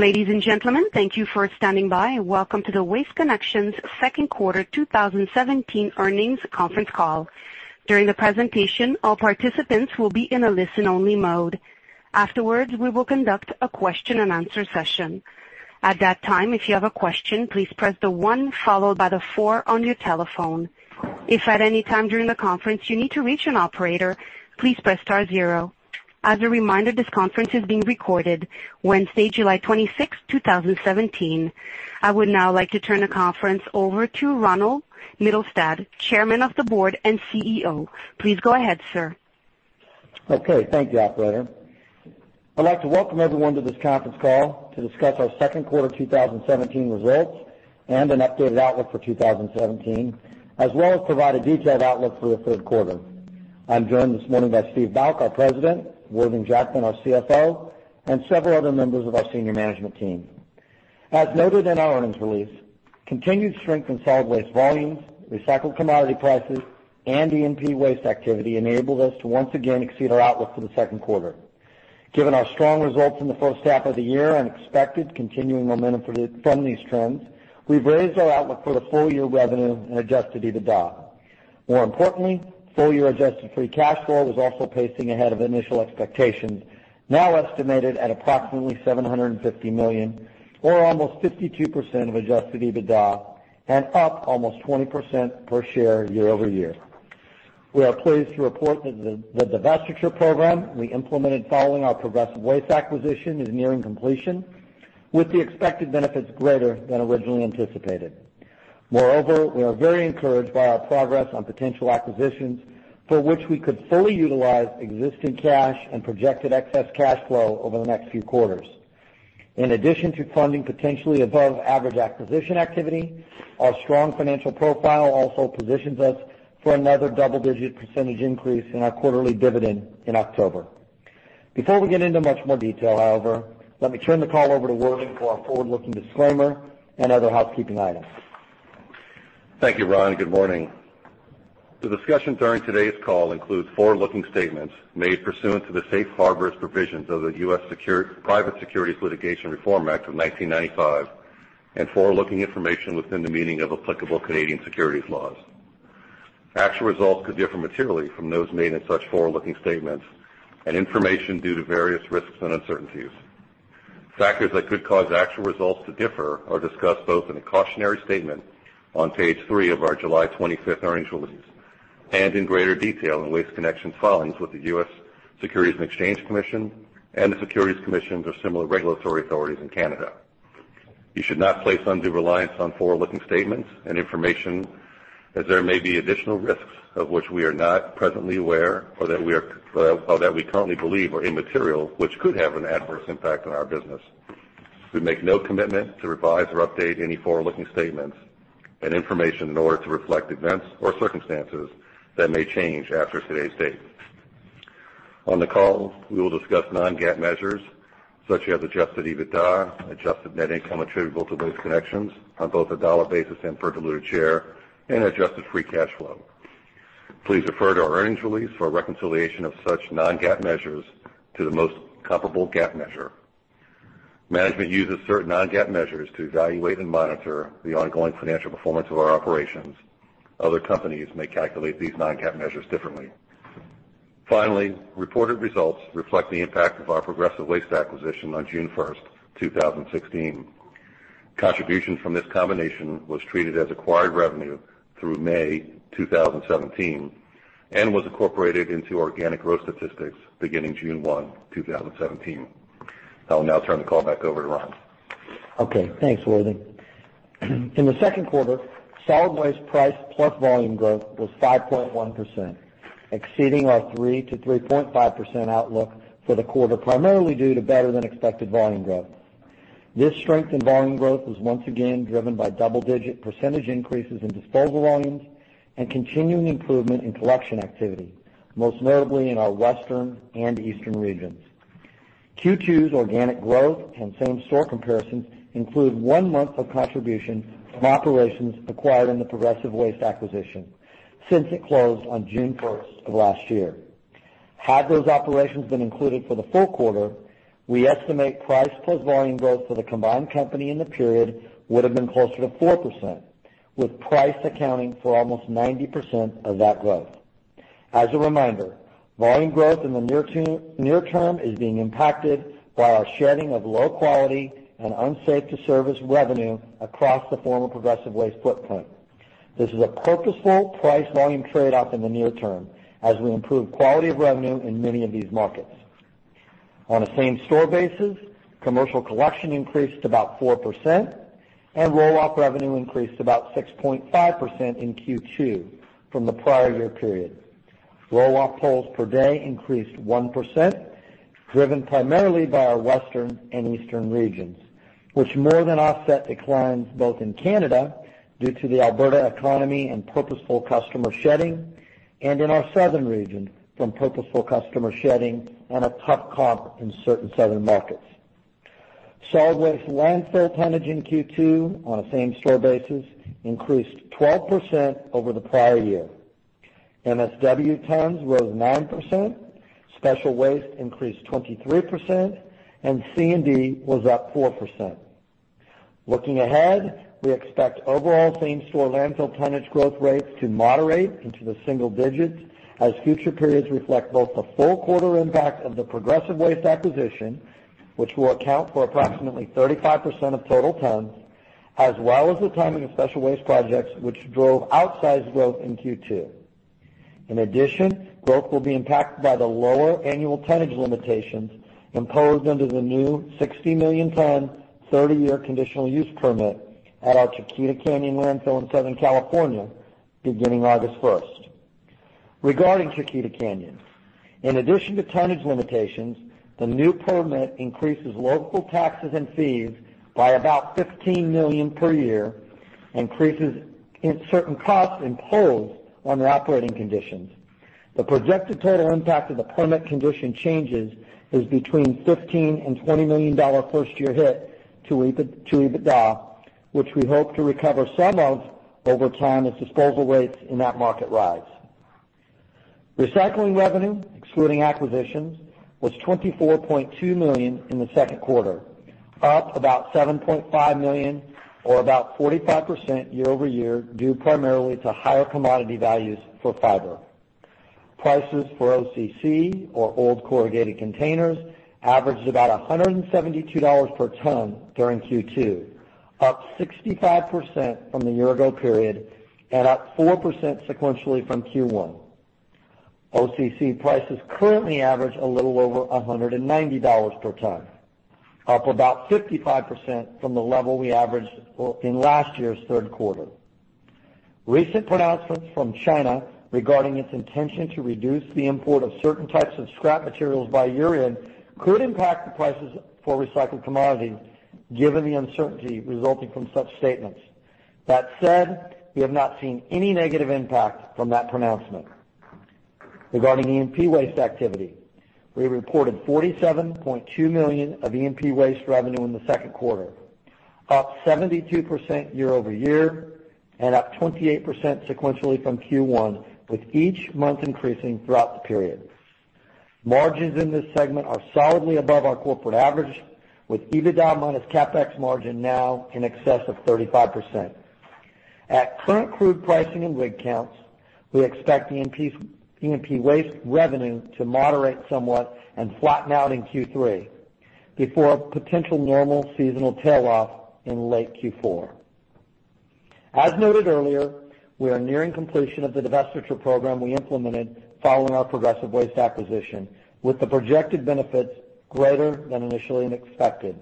Ladies and gentlemen, thank you for standing by and welcome to the Waste Connections second quarter 2017 earnings conference call. During the presentation, all participants will be in a listen-only mode. Afterwards, we will conduct a question-and-answer session. At that time, if you have a question, please press the one followed by the four on your telephone. If at any time during the conference you need to reach an operator, please press star zero. As a reminder, this conference is being recorded Wednesday, July 26, 2017. I would now like to turn the conference over to Ronald Mittelstaedt, Chairman of the Board and CEO. Please go ahead, sir. Okay. Thank you, operator. I'd like to welcome everyone to this conference call to discuss our second quarter 2017 results and an updated outlook for 2017, as well as provide a detailed outlook for the third quarter. I'm joined this morning by Steve Bouck, our President, Worthing Jackman, our CFO, and several other members of our senior management team. As noted in our earnings release, continued strength in solid waste volumes, recycled commodity prices, and E&P waste activity enabled us to once again exceed our outlook for the second quarter. Given our strong results in the first half of the year and expected continuing momentum from these trends, we've raised our outlook for the full-year revenue and adjusted EBITDA. More importantly, full-year adjusted free cash flow is also pacing ahead of initial expectations, now estimated at approximately $750 million or almost 52% of adjusted EBITDA and up almost 20% per share year-over-year. We are pleased to report that the divestiture program we implemented following our Progressive Waste acquisition is nearing completion, with the expected benefits greater than originally anticipated. Moreover, we are very encouraged by our progress on potential acquisitions for which we could fully utilize existing cash and projected excess cash flow over the next few quarters. In addition to funding potentially above-average acquisition activity, our strong financial profile also positions us for another double-digit percentage increase in our quarterly dividend in October. Before we get into much more detail, however, let me turn the call over to Worthing for our forward-looking disclaimer and other housekeeping items. Thank you, Ron. Good morning. The discussions during today's call include forward-looking statements made pursuant to the safe harbors provisions of the U.S. Private Securities Litigation Reform Act of 1995 and forward-looking information within the meaning of applicable Canadian securities laws. Actual results could differ materially from those made in such forward-looking statements and information due to various risks and uncertainties. Factors that could cause actual results to differ are discussed both in a cautionary statement on page three of our July 25th earnings release and in greater detail in Waste Connections' filings with the U.S. Securities and Exchange Commission and the Securities Commission or similar regulatory authorities in Canada. You should not place undue reliance on forward-looking statements and information as there may be additional risks of which we are not presently aware or that we currently believe are immaterial, which could have an adverse impact on our business. We make no commitment to revise or update any forward-looking statements and information in order to reflect events or circumstances that may change after today's date. On the call, we will discuss non-GAAP measures such as adjusted EBITDA, adjusted net income attributable to Waste Connections on both a dollar basis and per diluted share, and adjusted free cash flow. Please refer to our earnings release for a reconciliation of such non-GAAP measures to the most comparable GAAP measure. Management uses certain non-GAAP measures to evaluate and monitor the ongoing financial performance of our operations. Other companies may calculate these non-GAAP measures differently. Finally, reported results reflect the impact of our Progressive Waste acquisition on June 1, 2016. Contributions from this combination was treated as acquired revenue through May 2017 and was incorporated into organic growth statistics beginning June 1, 2017. I will now turn the call back over to Ron. Okay, thanks, Worthing. In the 2Q, solid waste price plus volume growth was 5.1%, exceeding our 3%-3.5% outlook for the quarter, primarily due to better than expected volume growth. This strength in volume growth was once again driven by double-digit percentage increases in disposal volumes and continuing improvement in collection activity, most notably in our Western and Eastern regions. Q2's organic growth and same-store comparisons include 1 month of contribution from operations acquired in the Progressive Waste acquisition since it closed on June 1 of last year. Had those operations been included for the full quarter, we estimate price plus volume growth for the combined company in the period would have been closer to 4%, with price accounting for almost 90% of that growth. As a reminder, volume growth in the near term is being impacted by our shedding of low-quality and unsafe-to-service revenue across the former Progressive Waste footprint. This is a purposeful price-volume trade-off in the near term as we improve quality of revenue in many of these markets. On a same-store basis, commercial collection increased about 4% and roll-off revenue increased about 6.5% in Q2 from the prior year period. Roll-off pulls per day increased 1%, driven primarily by our Western and Eastern regions, which more than offset declines both in Canada due to the Alberta economy and purposeful customer shedding and in our Southern region from purposeful customer shedding on a tough comp in certain southern markets. Solid waste landfill tonnage in Q2 on a same-store basis increased 12% over the prior year. MSW tons rose 9%, special waste increased 23%, and C&D was up 4%. Looking ahead, we expect overall same-store landfill tonnage growth rates to moderate into the single digits as future periods reflect both the full quarter impact of the Progressive Waste acquisition, which will account for approximately 35% of total tons, as well as the timing of special waste projects, which drove outsized growth in Q2. In addition, growth will be impacted by the lower annual tonnage limitations imposed under the new 60-million ton, 30-year conditional use permit at our Chiquita Canyon Landfill in Southern California beginning August 1. Regarding Chiquita Canyon, in addition to tonnage limitations, the new permit increases local taxes and fees by about $15 million per year, increases certain costs imposed on their operating conditions. The projected total impact of the permit condition changes is between $15 million and $20 million first-year hit to EBITDA, which we hope to recover some of over time as disposal rates in that market rise. Recycling revenue, excluding acquisitions, was $24.2 million in the second quarter, up about $7.5 million or about 45% year-over-year, due primarily to higher commodity values for fiber. Prices for OCC, or old corrugated containers, averaged about $172 per ton during Q2, up 65% from the year-ago period, and up 4% sequentially from Q1. OCC prices currently average a little over $190 per ton, up about 55% from the level we averaged in last year's third quarter. Recent pronouncements from China regarding its intention to reduce the import of certain types of scrap materials by year-end could impact the prices for recycled commodities, given the uncertainty resulting from such statements. That said, we have not seen any negative impact from that pronouncement. Regarding E&P Waste activity, we reported $47.2 million of E&P Waste revenue in the second quarter, up 72% year-over-year and up 28% sequentially from Q1, with each month increasing throughout the period. Margins in this segment are solidly above our corporate average, with EBITDA minus CapEx margin now in excess of 35%. At current crude pricing and rig counts, we expect E&P Waste revenue to moderate somewhat and flatten out in Q3 before a potential normal seasonal tail-off in late Q4. As noted earlier, we are nearing completion of the divestiture program we implemented following our Progressive Waste acquisition, with the projected benefits greater than initially expected.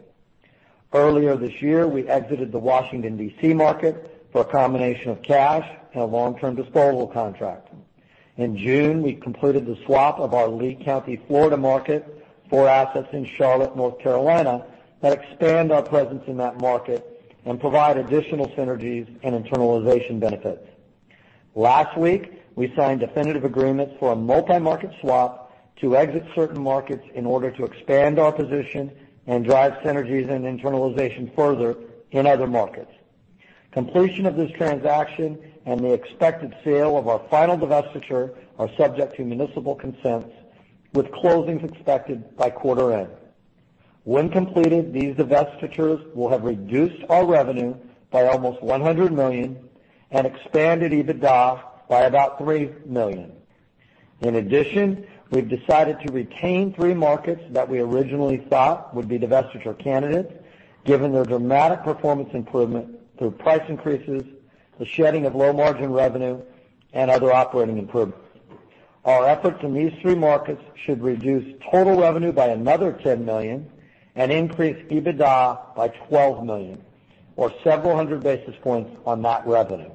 Earlier this year, we exited the Washington, D.C. market for a combination of cash and a long-term disposal contract. In June, we completed the swap of our Lee County, Florida market for assets in Charlotte, North Carolina, that expand our presence in that market and provide additional synergies and internalization benefits. Last week, we signed definitive agreements for a multi-market swap to exit certain markets in order to expand our position and drive synergies and internalization further in other markets. Completion of this transaction and the expected sale of our final divestiture are subject to municipal consents, with closings expected by quarter end. When completed, these divestitures will have reduced our revenue by almost $100 million and expanded EBITDA by about $3 million. In addition, we've decided to retain three markets that we originally thought would be divestiture candidates, given their dramatic performance improvement through price increases, the shedding of low-margin revenue, and other operating improvements. Our efforts in these three markets should reduce total revenue by another $10 million and increase EBITDA by $12 million or several hundred basis points on that revenue.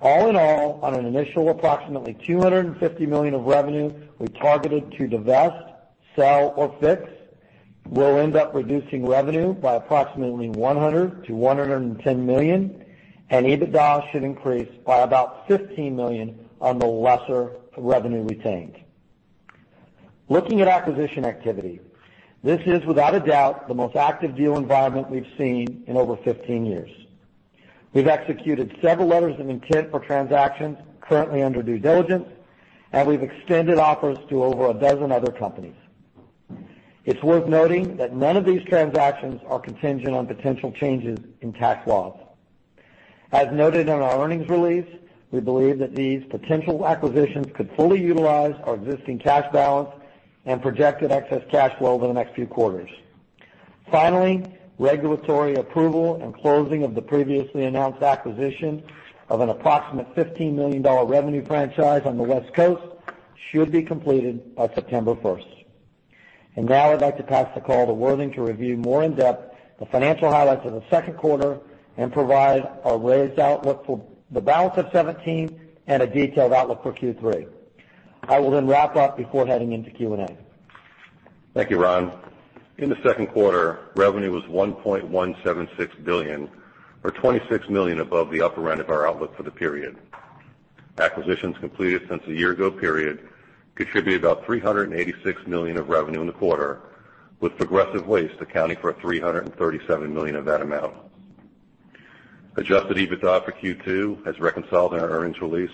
All in all, on an initial approximately $250 million of revenue we targeted to divest, sell, or fix, we'll end up reducing revenue by approximately $100 million-$110 million, and EBITDA should increase by about $15 million on the lesser revenue retained. Looking at acquisition activity, this is without a doubt the most active deal environment we've seen in over 15 years. We've executed several letters of intent for transactions currently under due diligence, and we've extended offers to over a dozen other companies. It's worth noting that none of these transactions are contingent on potential changes in tax laws. As noted in our earnings release, we believe that these potential acquisitions could fully utilize our existing cash balance and projected excess cash flow over the next few quarters. Finally, regulatory approval and closing of the previously announced acquisition of an approximate $15 million revenue franchise on the West Coast should be completed by September 1st. Now I'd like to pass the call to Worthing to review more in depth the financial highlights of the second quarter and provide a raised outlook for the balance of 2017 and a detailed outlook for Q3. I will then wrap up before heading into Q&A. Thank you, Ron. In the second quarter, revenue was $1.176 billion, or $26 million above the upper end of our outlook for the period. Acquisitions completed since the year-ago period contributed about $386 million of revenue in the quarter, with Progressive Waste accounting for $337 million of that amount. Adjusted EBITDA for Q2, as reconciled in our earnings release,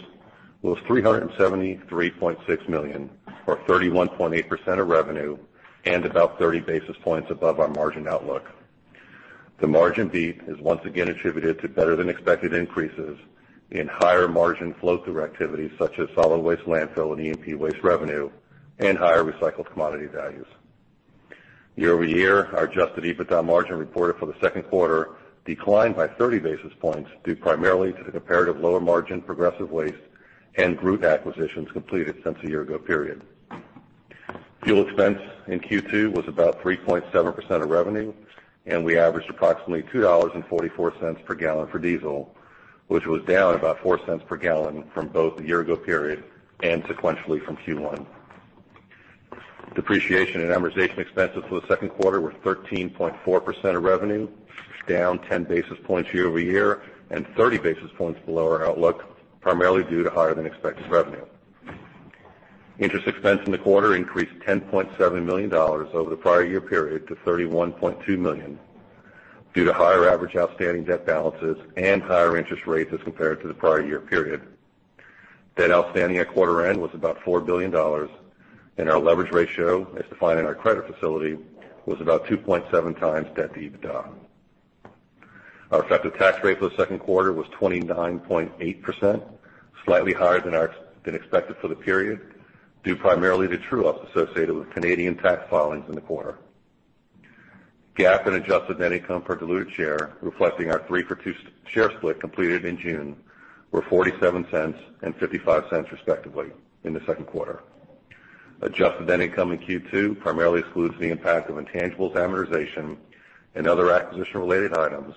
was $373.6 million, or 31.8% of revenue and about 30 basis points above our margin outlook. The margin beat is once again attributed to better than expected increases in higher margin flow-through activities such as solid waste landfill and E&P waste revenue and higher recycled commodity values. Year-over-year, our adjusted EBITDA margin reported for the second quarter declined by 30 basis points due primarily to the comparative lower margin Progressive Waste and Groot acquisitions completed since the year-ago period. Fuel expense in Q2 was about 3.7% of revenue. We averaged approximately $2.44 per gallon for diesel, which was down about $0.04 per gallon from both the year-ago period and sequentially from Q1. Depreciation and amortization expenses for the second quarter were 13.4% of revenue, down 10 basis points year-over-year, and 30 basis points below our outlook, primarily due to higher than expected revenue. Interest expense in the quarter increased $10.7 million over the prior year period to $31.2 million due to higher average outstanding debt balances and higher interest rates as compared to the prior year period. Debt outstanding at quarter end was about $4 billion, and our leverage ratio, as defined in our credit facility, was about 2.7 times debt to EBITDA. Our effective tax rate for the second quarter was 29.8%, slightly higher than expected for the period, due primarily to true-ups associated with Canadian tax filings in the quarter. GAAP and adjusted net income per diluted share, reflecting our three-for-two share split completed in June, were $0.47 and $0.55 respectively in the second quarter. Adjusted net income in Q2 primarily excludes the impact of intangibles amortization and other acquisition-related items,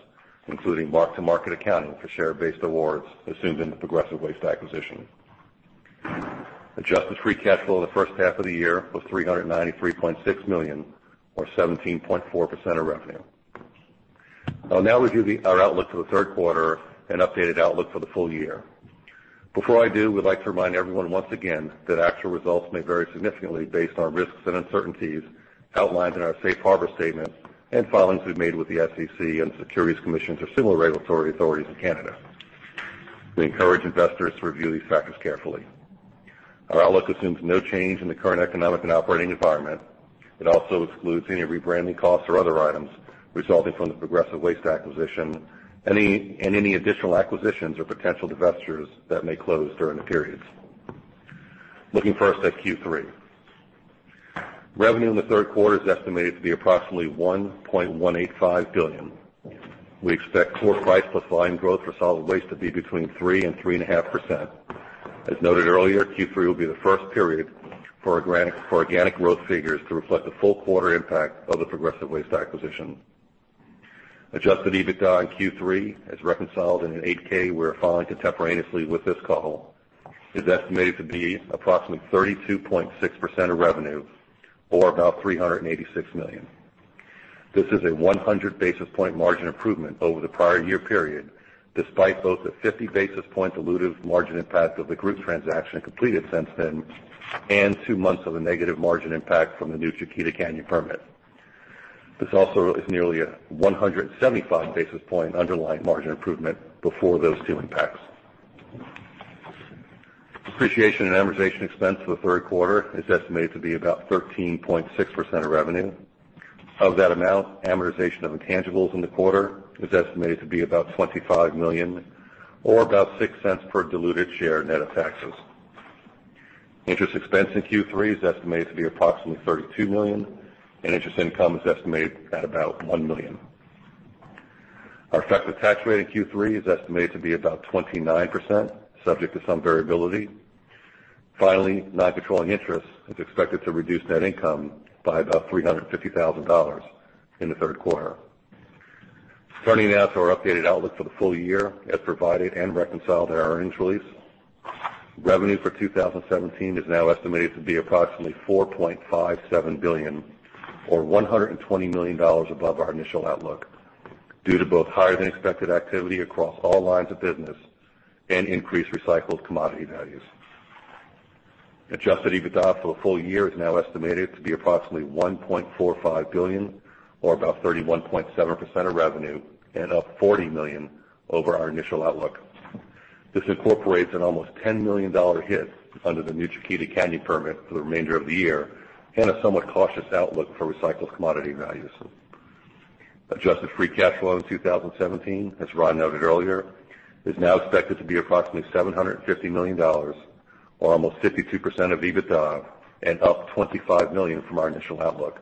including mark-to-market accounting for share-based awards assumed in the Progressive Waste acquisition. Adjusted free cash flow in the first half of the year was $393.6 million, or 17.4% of revenue. I'll now review our outlook for the third quarter and updated outlook for the full year. Before I do, we'd like to remind everyone once again that actual results may vary significantly based on risks and uncertainties outlined in our safe harbor statement and filings we've made with the SEC and Securities Commission or similar regulatory authorities in Canada. We encourage investors to review these factors carefully. Our outlook assumes no change in the current economic and operating environment. It also excludes any rebranding costs or other items resulting from the Progressive Waste acquisition and any additional acquisitions or potential divestitures that may close during the periods. Looking first at Q3. Revenue in the third quarter is estimated to be approximately $1.185 billion. We expect core price plus volume growth for solid waste to be between 3% and 3.5%. As noted earlier, Q3 will be the first period for organic growth figures to reflect the full quarter impact of the Progressive Waste acquisition. Adjusted EBITDA in Q3, as reconciled in an 8-K we're filing contemporaneously with this call, is estimated to be approximately 32.6% of revenue or about $386 million. This is a 100 basis point margin improvement over the prior year period, despite both the 50 basis point dilutive margin impact of the Groot transaction completed since then, and two months of a negative margin impact from the new Chiquita Canyon permit. This also is nearly a 175 basis point underlying margin improvement before those two impacts. Depreciation and amortization expense for the third quarter is estimated to be about 13.6% of revenue. Of that amount, amortization of intangibles in the quarter is estimated to be about $25 million or about $0.06 per diluted share, net of taxes. Interest expense in Q3 is estimated to be approximately $32 million, and interest income is estimated at about $1 million. Our effective tax rate in Q3 is estimated to be about 29%, subject to some variability. Finally, non-controlling interest is expected to reduce net income by about $350,000 in the third quarter. Turning now to our updated outlook for the full year, as provided and reconciled in our earnings release. Revenue for 2017 is now estimated to be approximately $4.57 billion or $120 million above our initial outlook, due to both higher than expected activity across all lines of business and increased recycled commodity values. Adjusted EBITDA for the full year is now estimated to be approximately $1.45 billion or about 31.7% of revenue and up $40 million over our initial outlook. This incorporates an almost $10 million hit under the new Chiquita Canyon permit for the remainder of the year and a somewhat cautious outlook for recycled commodity values. Adjusted free cash flow in 2017, as Ron noted earlier, is now expected to be approximately $750 million, or almost 52% of EBITDA and up $25 million from our initial outlook.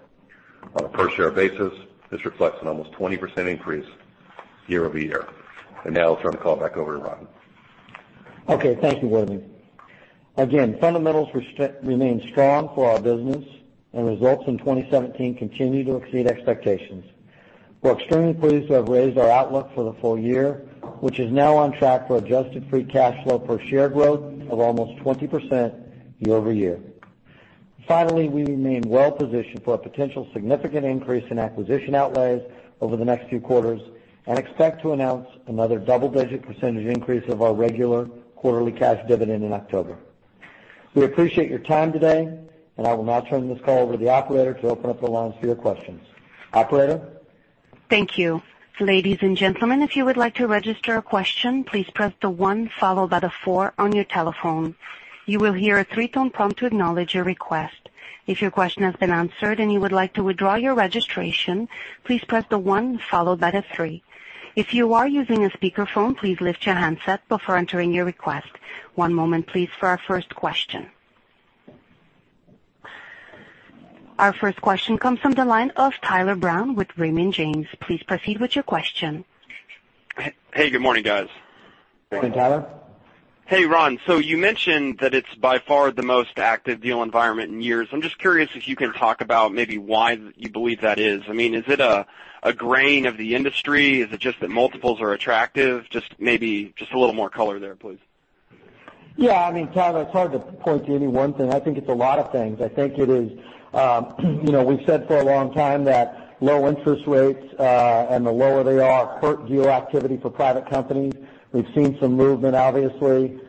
On a per share basis, this reflects an almost 20% increase year-over-year. Now I'll turn the call back over to Ron. Okay, thank you, Worthing. Again, fundamentals remain strong for our business and results in 2017 continue to exceed expectations. We're extremely pleased to have raised our outlook for the full year, which is now on track for adjusted free cash flow per share growth of almost 20% year-over-year. Finally, we remain well positioned for a potential significant increase in acquisition outlays over the next few quarters and expect to announce another double-digit percentage increase of our regular quarterly cash dividend in October. We appreciate your time today, and I will now turn this call over to the operator to open up the lines for your questions. Operator? Thank you. Ladies and gentlemen, if you would like to register a question, please press the one followed by the four on your telephone. You will hear a three-tone prompt to acknowledge your request. If your question has been answered and you would like to withdraw your registration, please press the one followed by the three. If you are using a speakerphone, please lift your handset before entering your request. One moment please for our first question. Our first question comes from the line of Tyler Brown with Raymond James. Please proceed with your question. Hey, good morning, guys. Good morning. Good morning, Tyler. Hey, Ron. You mentioned that it's by far the most active deal environment in years. I'm just curious if you can talk about maybe why you believe that is. Is it a growth of the industry? Is it just that multiples are attractive? Maybe just a little more color there, please. Tyler, it's hard to point to any one thing. I think it's a lot of things. I think it is, we've said for a long time that low interest rates, and the lower they are, hurt deal activity for private companies. We've seen some movement, obviously,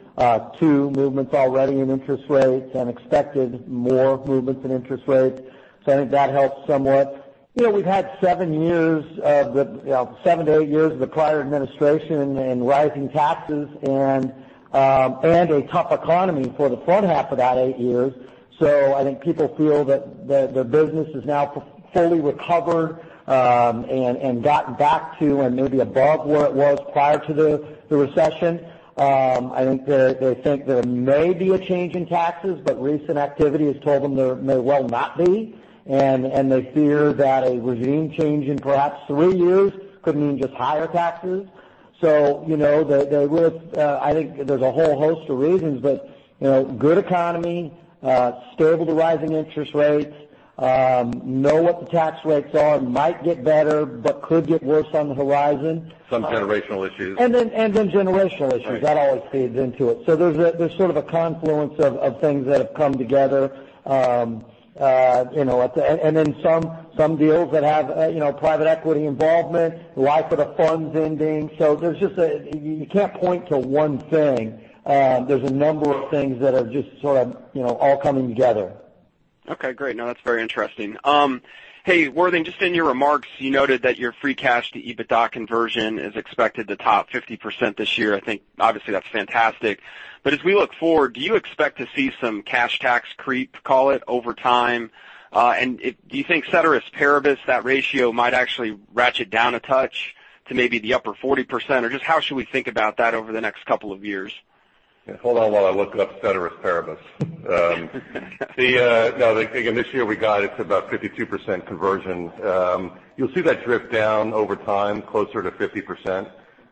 two movements already in interest rates and expected more movements in interest rates. I think that helps somewhat. We've had seven to eight years of the prior administration and rising taxes and a tough economy for the front half of that eight years. I think people feel that their business is now fully recovered, and gotten back to and maybe above where it was prior to the recession. I think they think there may be a change in taxes, but recent activity has told them there may well not be, and they fear that a regime change in perhaps three years could mean just higher taxes. I think there's a whole host of reasons, but good economy, stable to rising interest rates, know what the tax rates are, might get better, but could get worse on the horizon. Some generational issues. Generational issues. Right. That always feeds into it. There's sort of a confluence of things that have come together. Some deals that have private equity involvement, the life of the funds ending. You can't point to one thing. There's a number of things that are just sort of all coming together. Okay, great. No, that's very interesting. Hey, Worthing, just in your remarks, you noted that your free cash to EBITDA conversion is expected to top 50% this year. I think obviously that's fantastic. As we look forward, do you expect to see some cash tax creep, call it, over time? Do you think, ceteris paribus, that ratio might actually ratchet down a touch to maybe the upper 40%? Or just how should we think about that over the next couple of years? Hold on while I look up ceteris paribus. No, again, this year we got it to about 52% conversion. You'll see that drift down over time, closer to 50%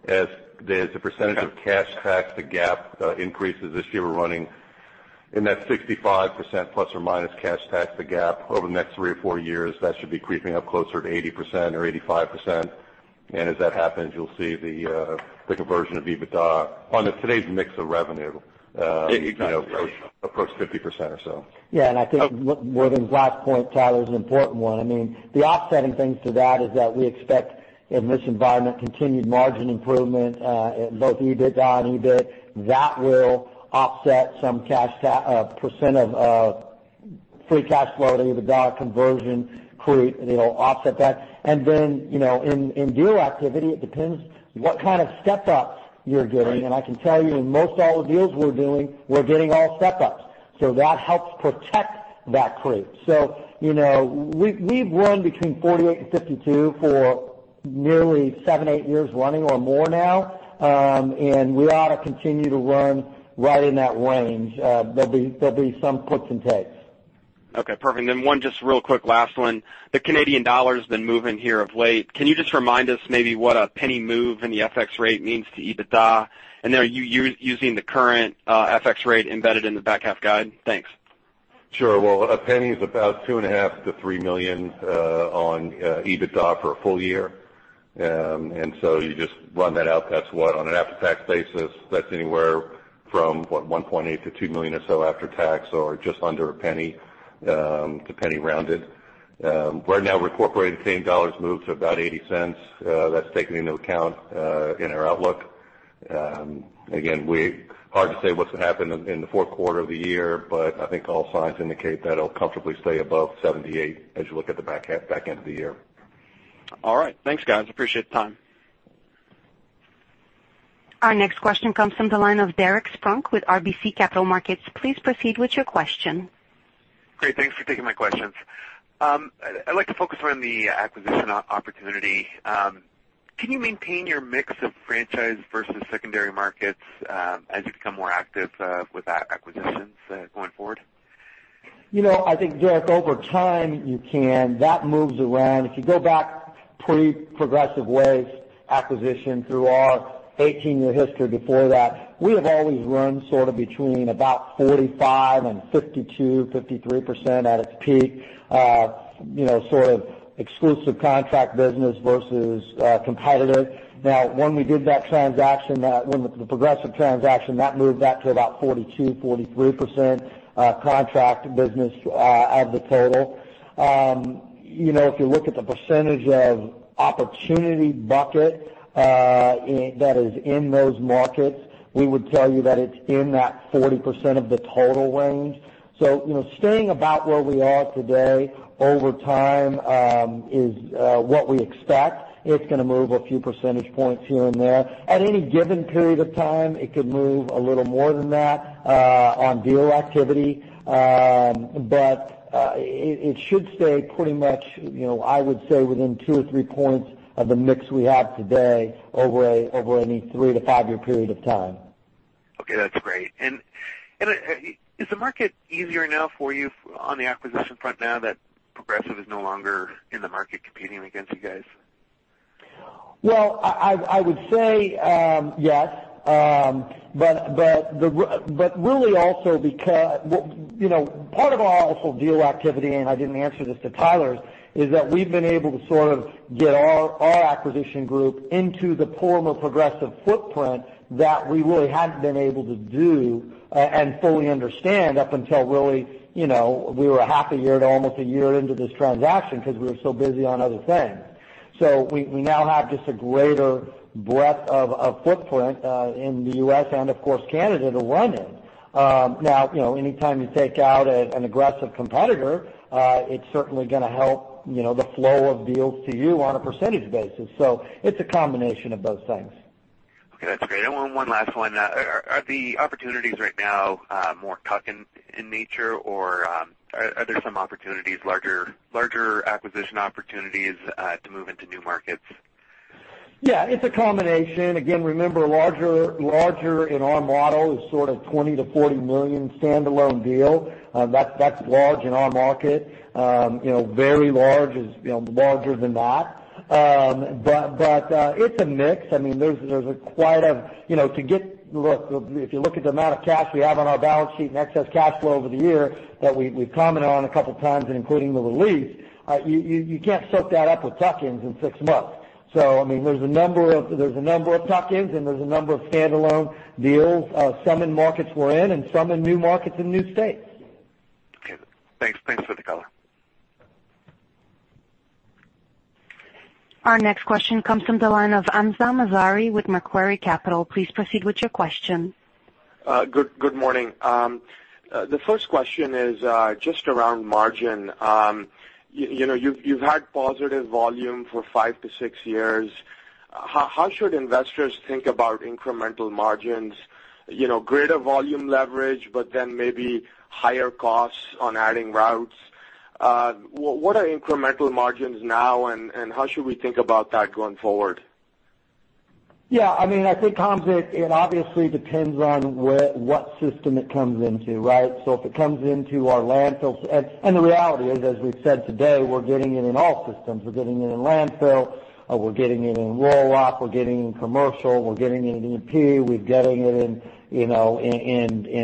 as the percentage of cash tax to GAAP increases. This year, we're running in that 65% plus or minus cash tax to GAAP. Over the next three or four years, that should be creeping up closer to 80% or 85%. As that happens, you'll see the conversion of EBITDA on today's mix of revenue- Exactly approach 50% or so. Yeah, I think Worthing's last point, Tyler, is an important one. The offsetting things to that is that we expect, in this environment, continued margin improvement, in both EBITDA and EBIT. That will offset some percent of free cash flow to EBITDA conversion creep, it'll offset that. Then, in deal activity, it depends what kind of step-ups you're getting. I can tell you in most all the deals we're doing, we're getting all step-ups. That helps protect that creep. We've run between 48 and 52 for nearly seven, eight years running or more now. We ought to continue to run right in that range. There'll be some puts and takes. Okay, perfect. Then one just real quick last one. The Canadian dollar's been moving here of late. Can you just remind us maybe what a penny move in the FX rate means to EBITDA? Then are you using the current FX rate embedded in the back half guide? Thanks. Sure. Well, a penny is about $2.5 million to $3 million on EBITDA for a full year. You just run that out, that's what, on an after-tax basis, that's anywhere from what, $1.8 million to $2 million or so after tax or just under a penny, depending rounded. Right now, we're incorporating Canadian dollars move to about 0.80. That's taken into account, in our outlook. Again, hard to say what's going to happen in the fourth quarter of the year, but I think all signs indicate that it'll comfortably stay above 78 as you look at the back end of the year. All right. Thanks, guys. Appreciate the time. Our next question comes from the line of Derek Spronck with RBC Capital Markets. Please proceed with your question. Great, thanks for taking my questions. I'd like to focus around the acquisition opportunity. Can you maintain your mix of franchise versus secondary markets as you become more active with acquisitions going forward? I think, Derek, over time, you can. That moves around. If you go back pre-Progressive Waste acquisition through our 18-year history before that, we have always run sort of between about 45% and 52%, 53% at its peak, sort of exclusive contract business versus competitor. When we did that transaction, when the Progressive transaction, that moved that to about 42%, 43% contract business of the total. If you look at the percentage of opportunity bucket that is in those markets, we would tell you that it's in that 40% of the total range. Staying about where we are today over time is what we expect. It's going to move a few percentage points here and there. At any given period of time, it could move a little more than that on deal activity. It should stay pretty much, I would say within two or three points of the mix we have today over any three to five-year period of time. Okay, that's great. Is the market easier now for you on the acquisition front now that Progressive is no longer in the market competing against you guys? Well, I would say, yes. Really also because part of our whole deal activity, and I didn't answer this to Tyler, is that we've been able to sort of get our acquisition group into the former Progressive footprint that we really hadn't been able to do and fully understand up until really, we were a half a year to almost a year into this transaction because we were so busy on other things. We now have just a greater breadth of footprint in the U.S. and of course, Canada to run in. Anytime you take out an aggressive competitor, it's certainly going to help the flow of deals to you on a percentage basis. It's a combination of both things. Okay, that's great. One last one. Are the opportunities right now more tuck-in nature or are there some opportunities, larger acquisition opportunities to move into new markets? Yeah, it's a combination. Again, remember, larger in our model is sort of 20 million-40 million standalone deal. That's large in our market. Very large is larger than that. It's a mix. If you look at the amount of cash we have on our balance sheet and excess cash flow over the year that we've commented on a couple times, including the release, you can't soak that up with tuck-ins in six months. There's a number of tuck-ins and there's a number of standalone deals, some in markets we're in, and some in new markets and new states. Okay. Thanks for the color. Our next question comes from the line of Hamzah Mazari with Macquarie Capital. Please proceed with your question. Good morning. The first question is just around margin. You've had positive volume for five to six years. How should investors think about incremental margins? Greater volume leverage, maybe higher costs on adding routes. What are incremental margins now, and how should we think about that going forward? Yeah, I think, Hamzah, it obviously depends on what system it comes into, right? If it comes into our landfills. The reality is, as we've said today, we're getting it in all systems. We're getting it in landfill, we're getting it in roll-off, we're getting it in commercial, we're getting it in E&P, we're getting it in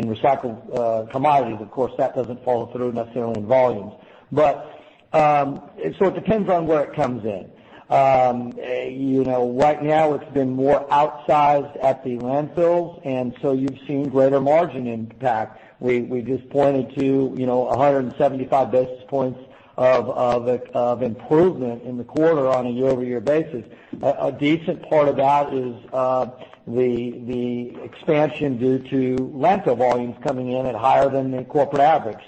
recycled commodities. Of course, that doesn't fall through necessarily in volumes. It depends on where it comes in. Right now it's been more outsized at the landfills, you've seen greater margin impact. We just pointed to 175 basis points of improvement in the quarter on a year-over-year basis. A decent part of that is the expansion due to landfill volumes coming in at higher than the corporate average.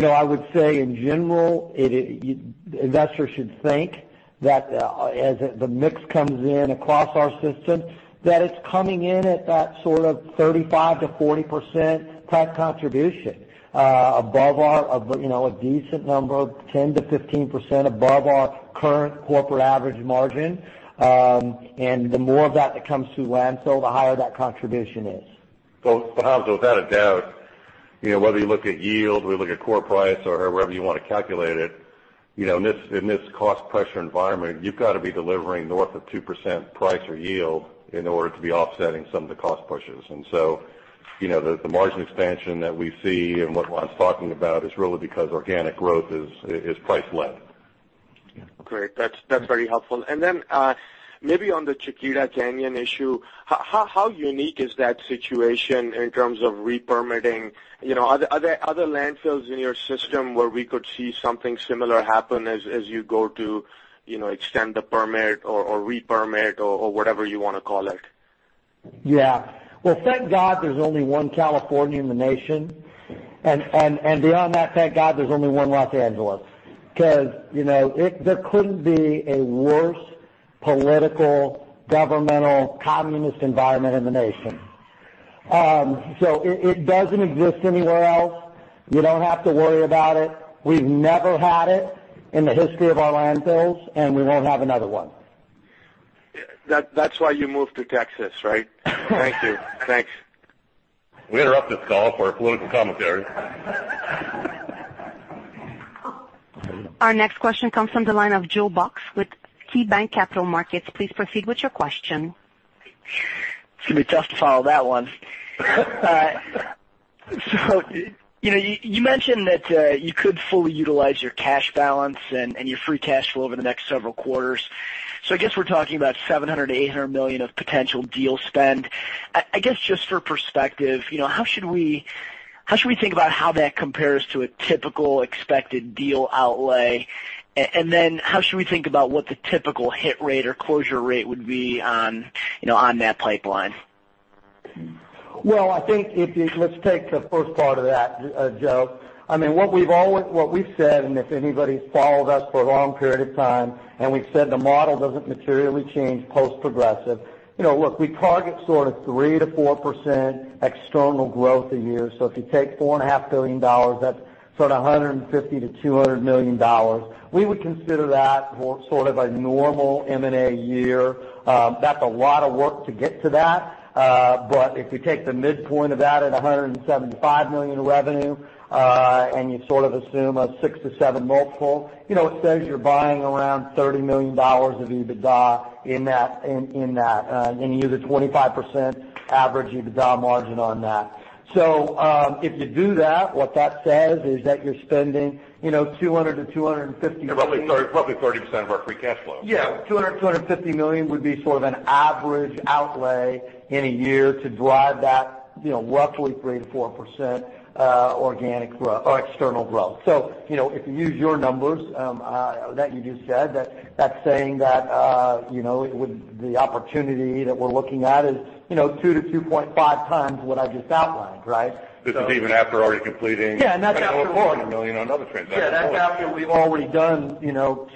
I would say in general, investors should think that as the mix comes in across our system, that it's coming in at that sort of 35%-40% type contribution above our A decent number, 10%-15% above our current corporate average margin. The more of that that comes through landfill, the higher that contribution is. Tom, without a doubt, whether you look at yield, whether you look at core price or however you want to calculate it, in this cost pressure environment, you've got to be delivering north of 2% price or yield in order to be offsetting some of the cost pressures. The margin expansion that we see and what Ron's talking about is really because organic growth is price led. Great. That is very helpful. Then, maybe on the Chiquita Canyon issue, how unique is that situation in terms of re-permitting? Are there other landfills in your system where we could see something similar happen as you go to extend the permit or re-permit or whatever you want to call it? Yeah. Well, thank God there is only one California in the nation, and beyond that, thank God there is only one Los Angeles, because there couldn't be a worse political, governmental, communist environment in the nation. It doesn't exist anywhere else. You don't have to worry about it. We have never had it in the history of our landfills, and we won't have another one. That is why you moved to Texas, right? Thank you. Thanks. We interrupt this call for a political commentary. Our next question comes from the line of Joe Box with KeyBanc Capital Markets. Please proceed with your question. It's going to be tough to follow that one. You mentioned that you could fully utilize your cash balance and your free cash flow over the next several quarters. I guess we're talking about $700 million-$800 million of potential deal spend. I guess, just for perspective, how should we How should we think about how that compares to a typical expected deal outlay? How should we think about what the typical hit rate or closure rate would be on that pipeline? Well, I think let's take the first part of that, Joe. What we've said, if anybody's followed us for a long period of time, and we've said the model doesn't materially change post Progressive. Look, we target sort of 3%-4% external growth a year. If you take $4.5 billion, that's sort of $150 million-$200 million. We would consider that sort of a normal M&A year. That's a lot of work to get to that. If you take the midpoint of that at $175 million revenue, and you sort of assume a six to seven multiple, it says you're buying around $30 million of EBITDA in that, and you get a 25% average EBITDA margin on that. If you do that, what that says is that you're spending $200 to $250- Probably 30% of our free cash flow. Yeah, $200 million, $250 million would be sort of an average outlay in a year to drive that roughly 3%-4% organic growth or external growth. If you use your numbers that you just said, that's saying that the opportunity that we're looking at is 2 to 2.5 times what I just outlined, right? This is even after already completing- Yeah, that's after $140 million on other transactions. Yeah, that's after we've already done $225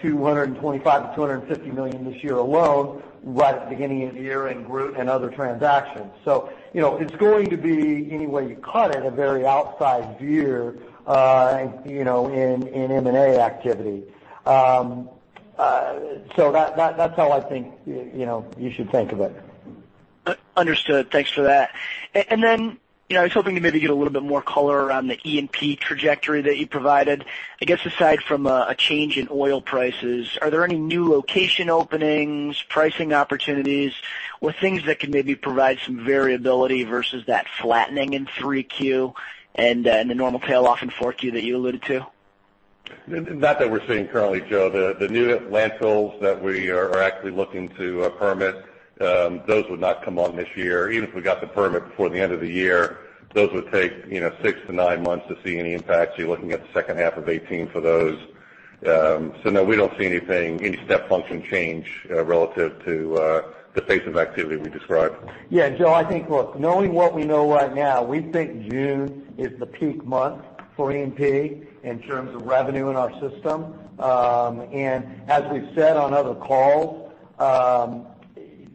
million-$250 million this year alone, right at the beginning of the year in Groot and other transactions. It's going to be, any way you cut it, a very outsized year in M&A activity. That's how I think you should think of it. Understood. Thanks for that. I was hoping to maybe get a little bit more color around the E&P trajectory that you provided. I guess aside from a change in oil prices, are there any new location openings, pricing opportunities, or things that could maybe provide some variability versus that flattening in Q3 and the normal tail off in Q4 that you alluded to? Not that we're seeing currently, Joe. The new landfills that we are actually looking to permit, those would not come on this year. Even if we got the permit before the end of the year, those would take six to nine months to see any impact, you're looking at the second half of 2018 for those. No, we don't see anything, any step function change relative to the pace of activity we described. Yeah, Joe, I think, look, knowing what we know right now, we think June is the peak month for E&P in terms of revenue in our system. As we've said on other calls,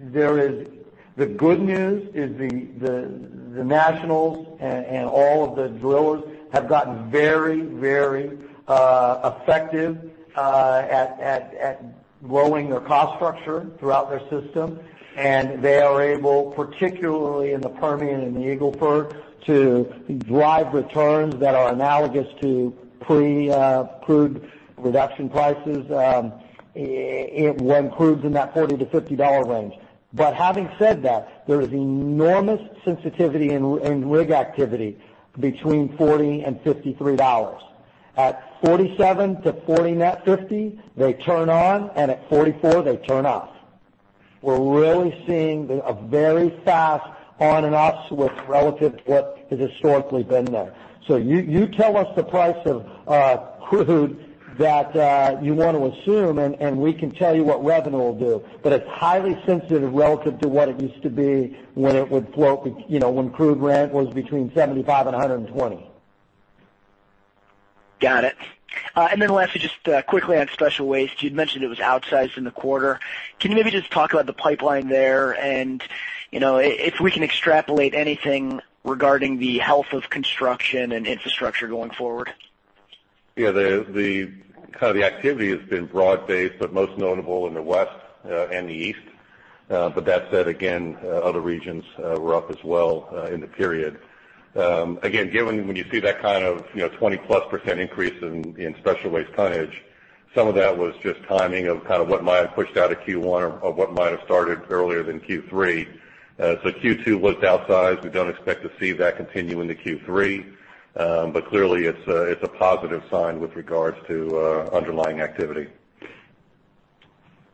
the good news is the nationals and all of the drillers have gotten very effective at growing their cost structure throughout their system. They are able, particularly in the Permian and the Eagle Ford, to drive returns that are analogous to pre-crude reduction prices when crude's in that $40-$50 range. Having said that, there is enormous sensitivity in rig activity between $40 and $53. At $47-$49.50, they turn on, and at $44, they turn off. We're really seeing a very fast on and off switch relative to what has historically been there. You tell us the price of crude that you want to assume, we can tell you what revenue will do. It's highly sensitive relative to what it used to be when crude was between $75 and $120. Got it. Lastly, just quickly on special waste, you'd mentioned it was outsized in the quarter. Can you maybe just talk about the pipeline there and if we can extrapolate anything regarding the health of construction and infrastructure going forward? Yeah. The activity has been broad based, most notable in the West and the East. That said, again, other regions were up as well in the period. Again, when you see that kind of 20%+ increase in special waste tonnage, some of that was just timing of what might have pushed out of Q1 or what might have started earlier than Q3. Q2 looked outsized. We don't expect to see that continue into Q3. Clearly, it's a positive sign with regards to underlying activity.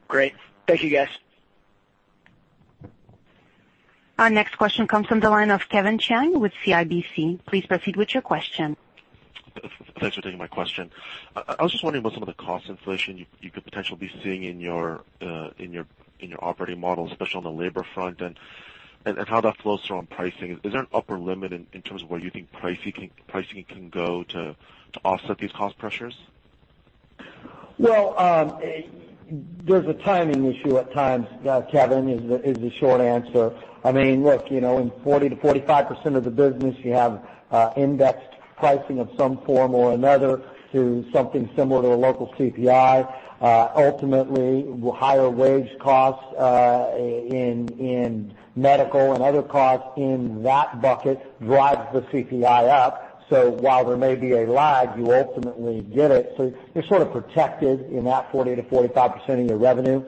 Great. Thank you guys. Our next question comes from the line of Kevin Chiang with CIBC. Please proceed with your question. Thanks for taking my question. I was just wondering about some of the cost inflation you could potentially be seeing in your operating model, especially on the labor front, and how that flows through on pricing. Is there an upper limit in terms of where you think pricing can go to offset these cost pressures? Well, there's a timing issue at times, Kevin, is the short answer. Look, in 40%-45% of the business, you have indexed pricing of some form or another to something similar to a local CPI. Ultimately, higher wage costs in medical and other costs in that bucket drives the CPI up. While there may be a lag, you ultimately get it. You're sort of protected in that 40%-45% of your revenue.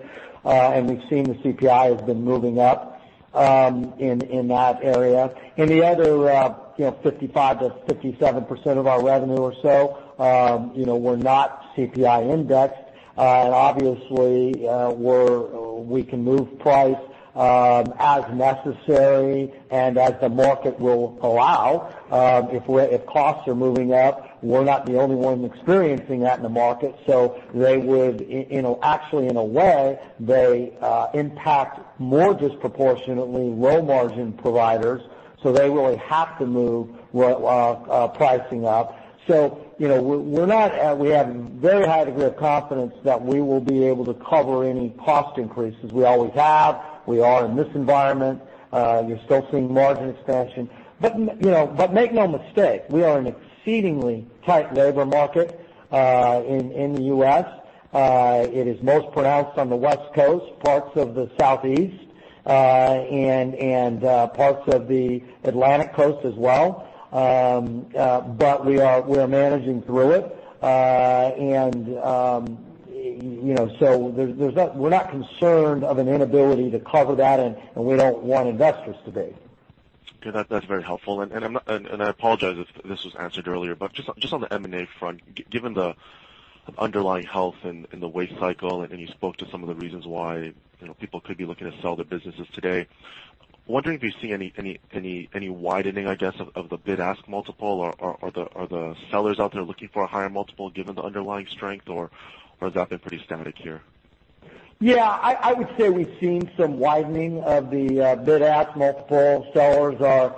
We've seen the CPI has been moving up in that area. In the other 55%-57% of our revenue or so, we're not CPI indexed. Obviously, we can move price as necessary and as the market will allow. If costs are moving up, we're not the only one experiencing that in the market. Actually, in a way, they impact more disproportionately low-margin providers, they really have to move pricing up. We have a very high degree of confidence that we will be able to cover any cost increases. We always have. We are in this environment. You're still seeing margin expansion. Make no mistake, we are in an exceedingly tight labor market in the U.S. It is most pronounced on the West Coast, parts of the Southeast, and parts of the Atlantic Coast as well. We're managing through it. We're not concerned of an inability to cover that, and we don't want investors to be. Okay. That's very helpful. I apologize if this was answered earlier, but just on the M&A front, given the underlying health and the waste cycle, you spoke to some of the reasons why people could be looking to sell their businesses today. I'm wondering if you're seeing any widening, I guess, of the bid-ask multiple, are the sellers out there looking for a higher multiple given the underlying strength, or has that been pretty static here? Yeah. I would say we've seen some widening of the bid-ask multiple. Sellers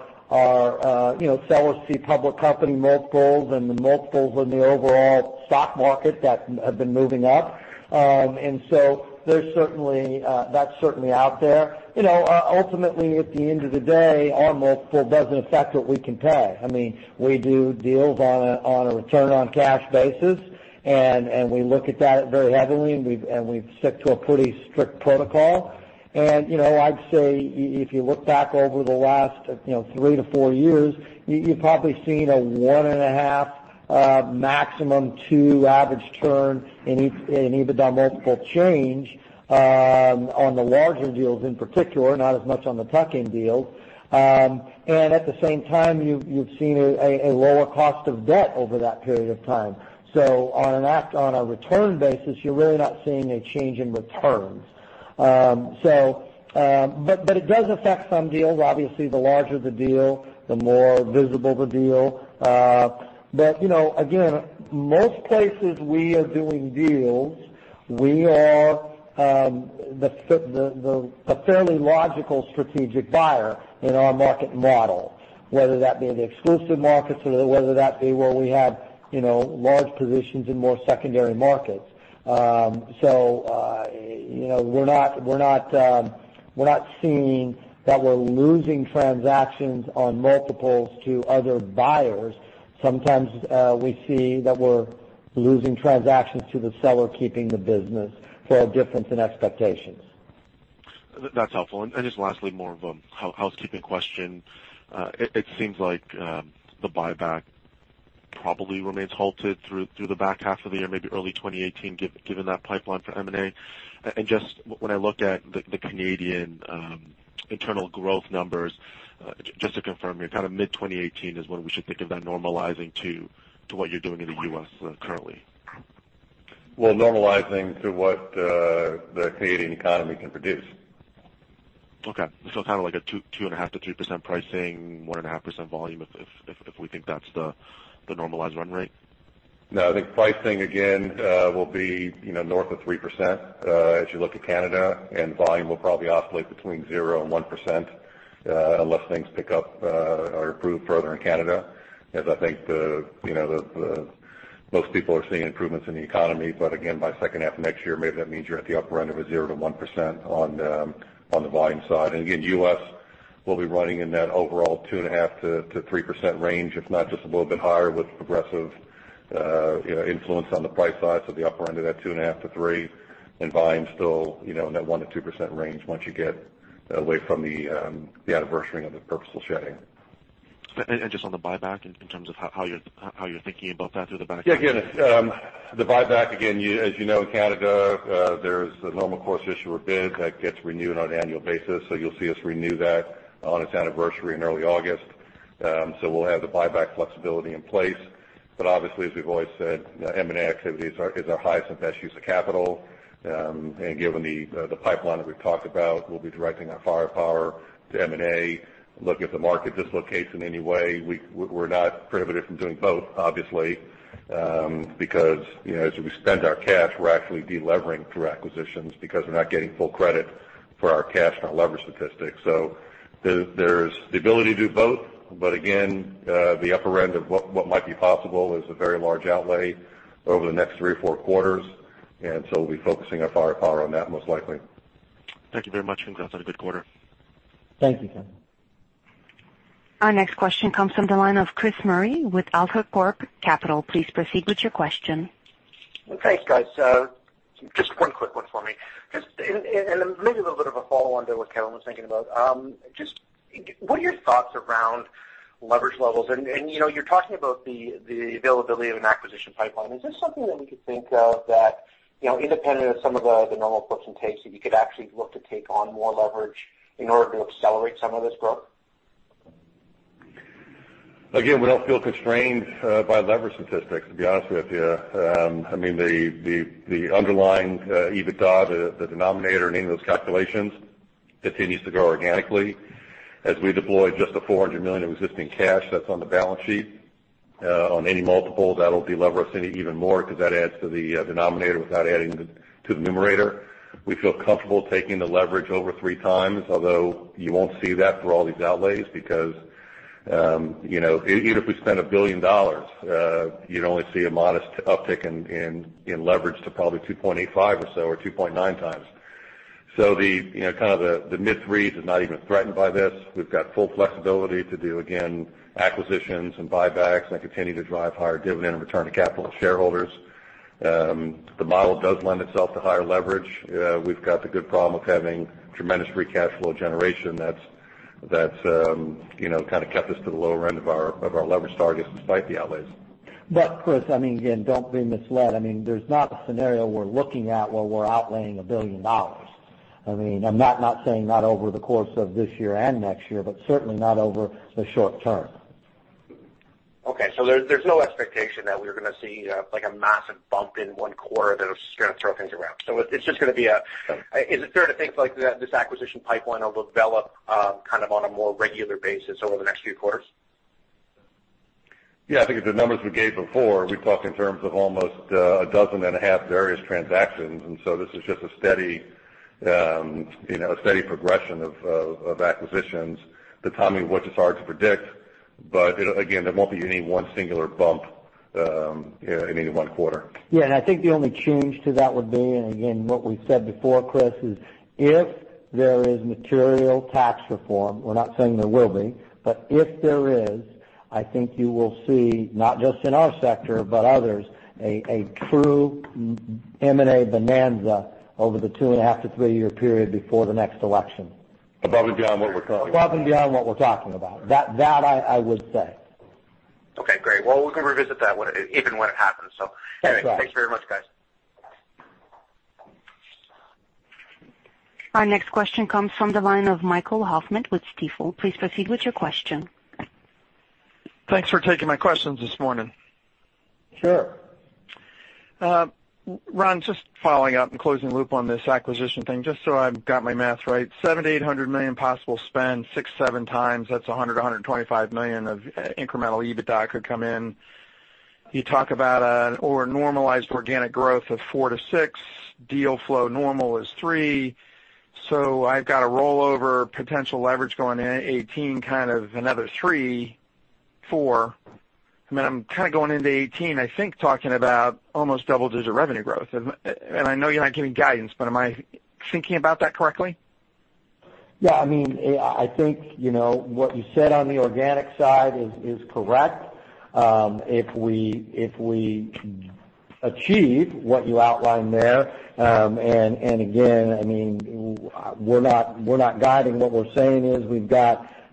see public company multiples and the multiples in the overall stock market that have been moving up. That's certainly out there. Ultimately, at the end of the day, our multiple doesn't affect what we can pay. We do deals on a return-on-cash basis, we look at that very heavily, we stick to a pretty strict protocol. I'd say if you look back over the last three to four years, you've probably seen a 1.5, maximum 2 average turn in EBITDA multiple change on the larger deals in particular, not as much on the tuck-in deals. At the same time, you've seen a lower cost of debt over that period of time. On a return basis, you're really not seeing a change in returns. It does affect some deals. Obviously, the larger the deal, the more visible the deal. Again, most places we are doing deals, we are the fairly logical strategic buyer in our market model, whether that be the exclusive markets or whether that be where we have large positions in more secondary markets. We're not seeing that we're losing transactions on multiples to other buyers. Sometimes we see that we're losing transactions to the seller keeping the business for a difference in expectations. Lastly, more of a housekeeping question. It seems like the buyback probably remains halted through the back half of the year, maybe early 2018, given that pipeline for M&A. When I look at the Canadian internal growth numbers, just to confirm here, mid-2018 is when we should think of that normalizing to what you're doing in the U.S. currently? Well, normalizing to what the Canadian economy can produce. Okay. Kind of like a 2.5%-3% pricing, 1.5% volume, if we think that's the normalized run rate? No, I think pricing again, will be north of 3% as you look at Canada. Volume will probably oscillate between 0% and 1% unless things pick up or improve further in Canada. I think most people are seeing improvements in the economy. Again, by the second half of next year, maybe that means you're at the upper end of a 0%-1% on the volume side. Again, U.S. will be running in that overall 2.5%-3% range, if not just a little bit higher with progressive influence on the price side. The upper end of that 2.5%-3%, volume still in that 1%-2% range once you get away from the anniversarying of the purposeful shedding. Just on the buyback in terms of how you're thinking about that through the back end. The buyback, as you know, in Canada, there's the Normal Course Issuer Bid that gets renewed on an annual basis. You'll see us renew that on its anniversary in early August. We'll have the buyback flexibility in place. Obviously, as we've always said, M&A activity is our highest and best use of capital. Given the pipeline that we've talked about, we'll be directing our firepower to M&A, look if the market dislocates in any way. We're not prohibited from doing both, obviously, because as we spend our cash, we're actually de-levering through acquisitions because we're not getting full credit for our cash and our leverage statistics. There's the ability to do both, but again, the upper end of what might be possible is a very large outlay over the next three or four quarters, we'll be focusing our firepower on that most likely. Thank you very much. Guys had a good quarter. Thank you, Kevin. Our next question comes from the line of Chris Murray with AltaCorp Capital. Please proceed with your question. Thanks, guys. Just one quick one for me. Just, maybe a little bit of a follow-on to what Kevin was thinking about. Just what are your thoughts around leverage levels? You're talking about the availability of an acquisition pipeline. Is this something that we could think of that, independent of some of the normal puts and takes, that you could actually look to take on more leverage in order to accelerate some of this growth? Again, we don't feel constrained by leverage statistics, to be honest with you. The underlying EBITDA, the denominator in any of those calculations, continues to grow organically as we deploy just the 400 million of existing cash that's on the balance sheet. On any multiple, that'll de-leverage us even more because that adds to the denominator without adding to the numerator. We feel comfortable taking the leverage over three times, although you won't see that for all these outlays because even if we spent 1 billion dollars, you'd only see a modest uptick in leverage to probably 2.85 or so, or 2.9 times. The mythic read is not even threatened by this. We've got full flexibility to do, again, acquisitions and buybacks, and continue to drive higher dividend and return to capital shareholders. The model does lend itself to higher leverage. We've got the good problem of having tremendous free cash flow generation that's kept us to the lower end of our leverage targets despite the outlays. Chris, again, don't be misled. There's not a scenario we're looking at where we're outlaying $1 billion. I'm not saying not over the course of this year and next year, but certainly not over the short term. Okay. There's no expectation that we're going to see a massive bump in one quarter that is going to throw things around. Sure. Is it fair to think this acquisition pipeline will develop on a more regular basis over the next few quarters? Yeah. I think the numbers we gave before, we talked in terms of almost a dozen and a half various transactions. This is just a steady progression of acquisitions. The timing of which is hard to predict. Again, there won't be any one singular bump in any one quarter. Yeah. I think the only change to that would be, and again, what we said before, Chris, is if there is material tax reform, we're not saying there will be, but if there is, I think you will see, not just in our sector but others, a true M&A bonanza over the two and a half to three-year period before the next election. Above and beyond what we're talking about. Above and beyond what we're talking about. That, I would say. Okay, great. Well, we can revisit that even when it happens. That's right. Thanks very much, guys. Our next question comes from the line of Michael Hoffman with Stifel. Please proceed with your question. Thanks for taking my questions this morning. Sure. Ron, just following up and closing the loop on this acquisition thing, just so I've got my math right, $700 million-$800 million possible spend, 6x-7x, that's $100 million-$125 million of incremental EBITDA could come in. You talk about a normalized organic growth of 4%-6%. Deal flow normal is 3%. I've got a rollover potential leverage going into 2018, kind of another 3%-4%. Going into 2018, I think, talking about almost double-digit revenue growth. I know you're not giving guidance, but am I thinking about that correctly? I think what you said on the organic side is correct. If we achieve what you outlined there, and again, we're not guiding. What we're saying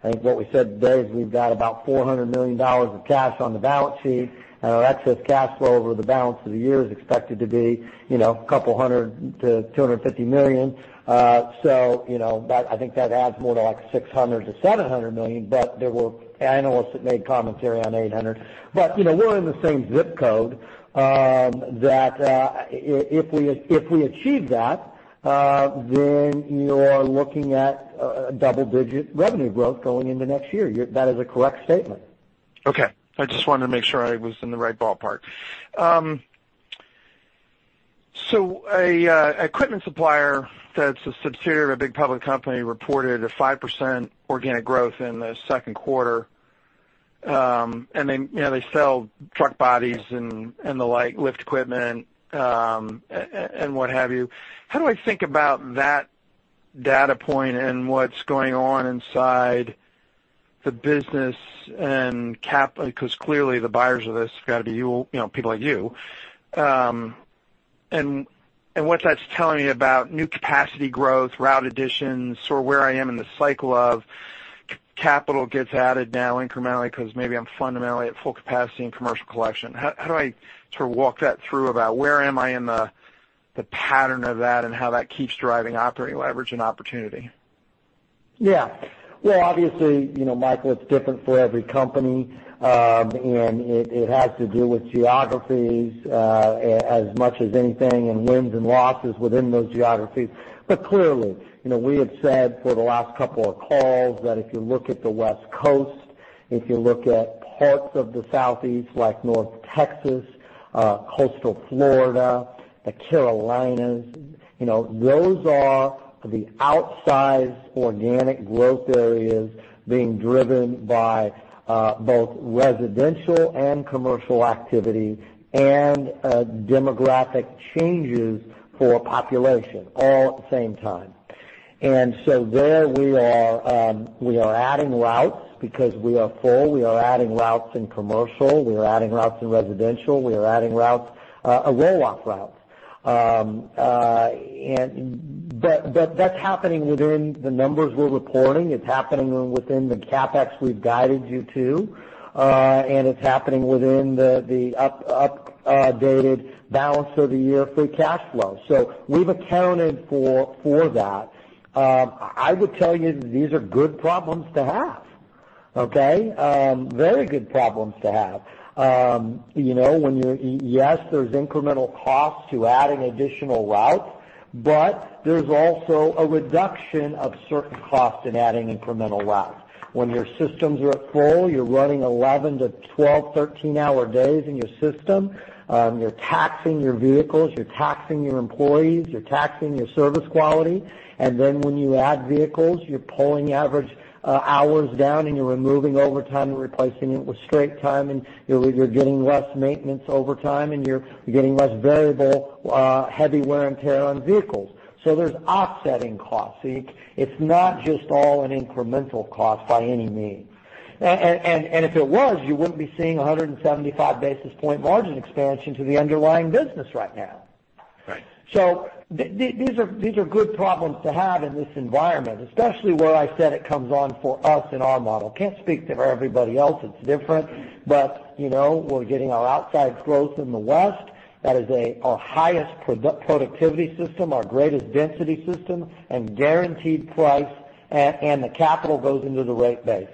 is we've got about $400 million of cash on the balance sheet, and our excess cash flow over the balance of the year is expected to be $200 million-$250 million. I think that adds more to $600 million-$700 million, but there were analysts that made commentary on $800 million. We're in the same zip code. If we achieve that, then you're looking at double-digit revenue growth going into next year. That is a correct statement. I just wanted to make sure I was in the right ballpark. An equipment supplier that's a subsidiary of a big public company reported a 5% organic growth in the second quarter. They sell truck bodies and the like, lift equipment, and what have you. How do I think about that data point and what's going on inside the business and CapEx? Clearly the buyers of this have got to be people like you. What that's telling me about new capacity growth, route additions, sort of where I am in the cycle of capital gets added now incrementally because maybe I'm fundamentally at full capacity in commercial collection. How do I sort of walk that through about where am I in the pattern of that and how that keeps driving operating leverage and opportunity? Obviously, Michael, it's different for every company. It has to do with geographies as much as anything, and wins and losses within those geographies. Clearly, we have said for the last couple of calls that if you look at the West Coast, if you look at parts of the Southeast, like North Texas, coastal Florida, the Carolinas, those are the outsized organic growth areas being driven by both residential and commercial activity, and demographic changes for population, all at the same time. There we are adding routes because we are full. We are adding routes in commercial. We are adding routes in residential. We are adding roll-off routes. That's happening within the numbers we're reporting. It's happening within the CapEx we've guided you to. It's happening within the updated balance of the year free cash flow. We've accounted for that. I would tell you these are good problems to have. Okay. Very good problems to have. Yes, there's incremental costs to adding additional routes, but there's also a reduction of certain costs in adding incremental routes. When your systems are at full, you're running 11 to 12, 13-hour days in your system. You're taxing your vehicles, you're taxing your employees, you're taxing your service quality. Then when you add vehicles, you're pulling average hours down, and you're removing overtime and replacing it with straight time, and you're getting less maintenance overtime, and you're getting less variable heavy wear and tear on vehicles. There's offsetting costs. It's not just all an incremental cost by any means. If it was, you wouldn't be seeing 175 basis point margin expansion to the underlying business right now. Right. These are good problems to have in this environment, especially where I said it comes on for us in our model. Can't speak for everybody else, it's different. We're getting our outside growth in the West. That is our highest productivity system, our greatest density system, and guaranteed price, and the capital goes into the rate base.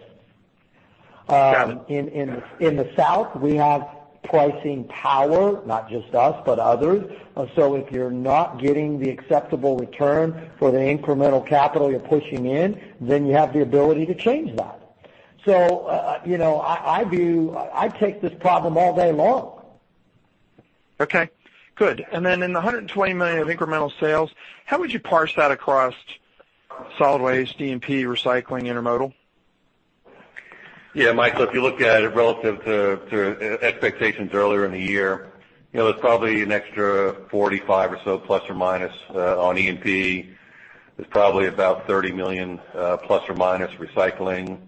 Got it. In the South, we have pricing power, not just us, but others. If you're not getting the acceptable return for the incremental capital you're pushing in, then you have the ability to change that. I'd take this problem all day long. Okay, good. Then in the $120 million of incremental sales, how would you parse that across solid waste, E&P, recycling, intermodal? Yeah, Michael, if you look at it relative to expectations earlier in the year, it's probably an extra 45 or so, plus or minus, on E&P. It's probably about $30 million, plus or minus, recycling.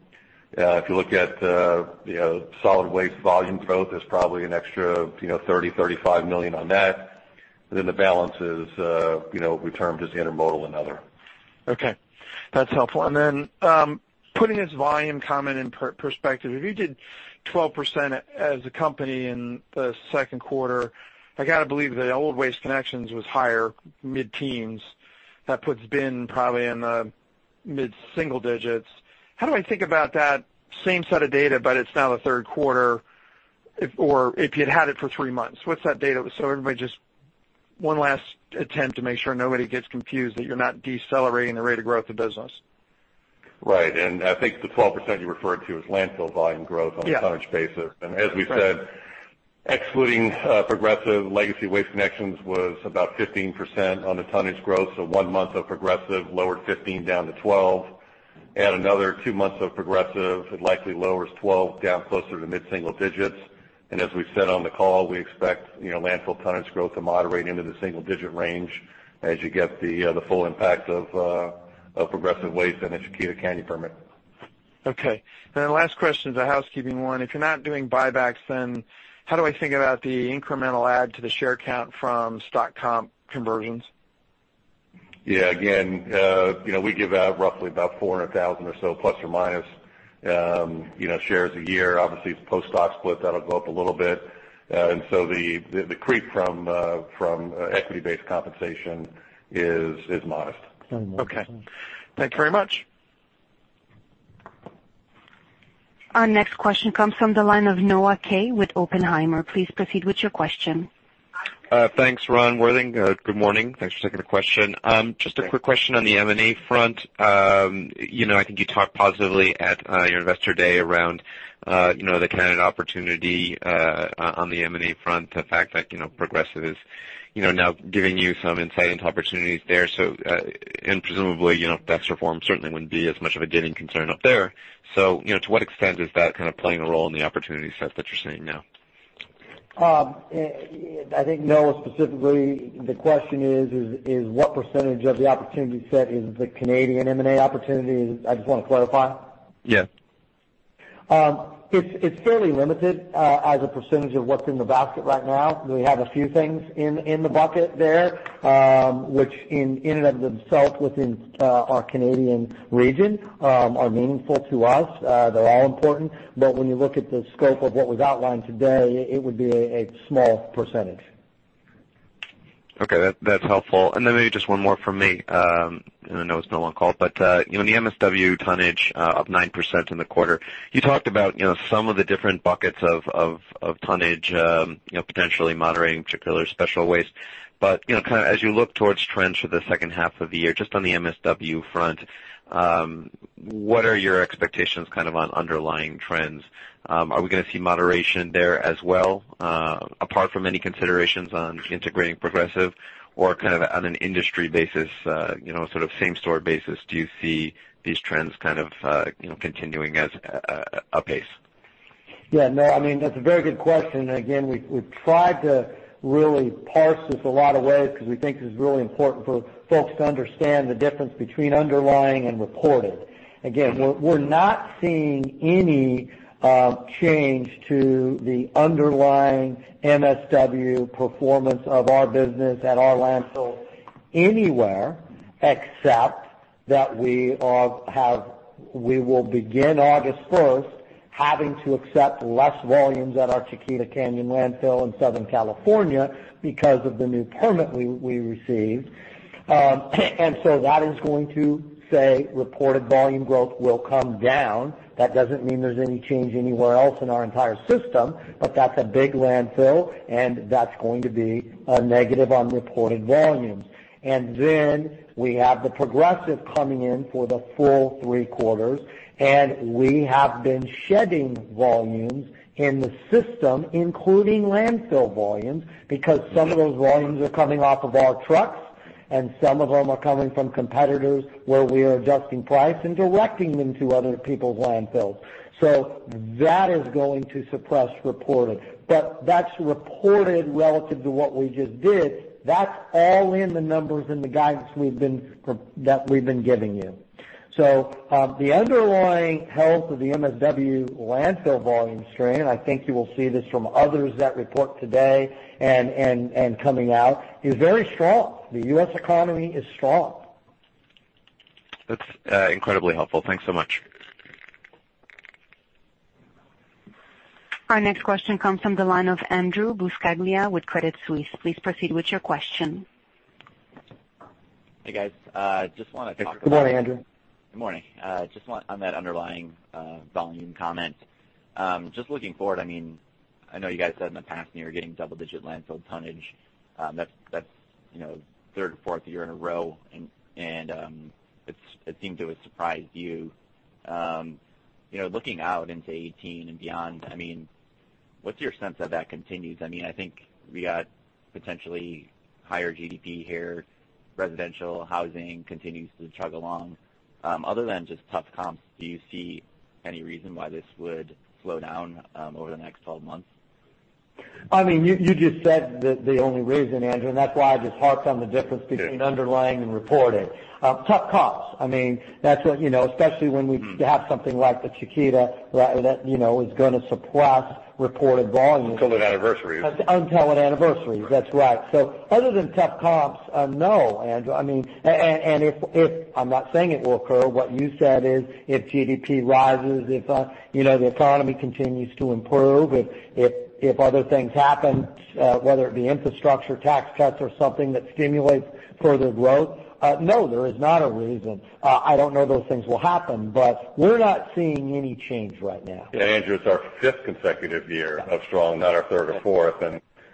If you look at the solid waste volume growth, there's probably an extra $30 million-$35 million on that. The balance is what we termed as intermodal and other. Okay, that's helpful. Then, putting this volume comment in perspective, if you did 12% as a company in the second quarter, I got to believe the old Waste Connections was higher, mid-teens. That puts BIN probably in the mid-single digits. How do I think about that same set of data, but it's now the third quarter, or if you'd had it for three months, what's that data? Everybody just one last attempt to make sure nobody gets confused that you're not decelerating the rate of growth of business. Right. I think the 12% you referred to is landfill volume growth. Yeah on a tonnage basis. As we said, excluding Progressive, legacy Waste Connections was about 15% on the tonnage growth, so one month of Progressive lowered 15% down to 12%. Add another two months of Progressive, it likely lowers 12% down closer to mid-single digits. As we've said on the call, we expect landfill tonnage growth to moderate into the single-digit range as you get the full impact of Progressive Waste and the Chiquita Canyon permit. Okay. Last question is a housekeeping one. If you're not doing buybacks, how do I think about the incremental add to the share count from stock comp conversions? Yeah, again, we give out roughly about 400,000 or so, plus or minus, shares a year. Obviously, it's post-stock split, that'll go up a little bit. The creep from equity-based compensation is modest. Okay. Thank you very much. Our next question comes from the line of Noah Kaye with Oppenheimer. Please proceed with your question. Thanks, Ron, Worthing. Good morning. Thanks for taking the question. Just a quick question on the M&A front. I think you talked positively at your investor day around the Canada opportunity on the M&A front, the fact that Progressive is now giving you some insight into opportunities there. Presumably, that reform certainly wouldn't be as much of a going concern up there. To what extent is that kind of playing a role in the opportunity set that you're seeing now? I think, Noah, specifically the question is, what percentage of the opportunity set is the Canadian M&A opportunity? I just want to clarify. Yes. It's fairly limited, as a percentage of what's in the basket right now. We have a few things in the bucket there, which in and of themselves within our Canadian region, are meaningful to us. They're all important, but when you look at the scope of what was outlined today, it would be a small percentage. Okay. That's helpful. Maybe just one more from me. I know it's been a long call, but the MSW tonnage of 9% in the quarter, you talked about some of the different buckets of tonnage potentially moderating particular special waste. As you look towards trends for the second half of the year, just on the MSW front, what are your expectations on underlying trends? Are we going to see moderation there as well, apart from any considerations on integrating Progressive? On an industry basis, sort of same-store basis, do you see these trends continuing as a pace? Yeah, Noah, that's a very good question. Again, we've tried to really parse this a lot of ways because we think this is really important for folks to understand the difference between underlying and reported. Again, we're not seeing any change to the underlying MSW performance of our business at our landfills anywhere, except that we will begin August 1st having to accept less volumes at our Chiquita Canyon Landfill in Southern California because of the new permit we received. That is going to say reported volume growth will come down. That doesn't mean there's any change anywhere else in our entire system, but that's a big landfill, and that's going to be a negative on reported volumes. We have the Progressive coming in for the full three quarters, and we have been shedding volumes in the system, including landfill volumes, because some of those volumes are coming off of our trucks, and some of them are coming from competitors, where we are adjusting price and directing them to other people's landfills. That is going to suppress reported. That's reported relative to what we just did. That's all in the numbers in the guidance that we've been giving you. The underlying health of the MSW landfill volume strain, I think you will see this from others that report today and coming out, is very strong. The U.S. economy is strong. That's incredibly helpful. Thanks so much. Our next question comes from the line of Andrew Buscaglia with Credit Suisse. Please proceed with your question. Hey, guys. Good morning, Andrew. Good morning. On that underlying volume comment, just looking forward, I know you guys said in the past, and you're getting double-digit landfill tonnage. That's third or fourth year in a row, and it seemed to have surprised you. Looking out into 2018 and beyond, what's your sense of that continues? I think we got potentially higher GDP here. Residential housing continues to chug along. Other than just tough comps, do you see any reason why this would slow down over the next 12 months? You just said the only reason, Andrew, and that's why I just harp on the difference between underlying and reported. Tough comps, especially when we have something like the Chiquita that is going to suppress reported volumes. Until it anniversaries. Until it anniversaries. That's right. Other than tough comps, no, Andrew. If, I'm not saying it will occur, what you said is if GDP rises, if the economy continues to improve, if other things happen, whether it be infrastructure, tax cuts, or something that stimulates further growth, no, there is not a reason. I don't know those things will happen, we're not seeing any change right now. Yeah, Andrew, it's our fifth consecutive year of strong, not our third or fourth.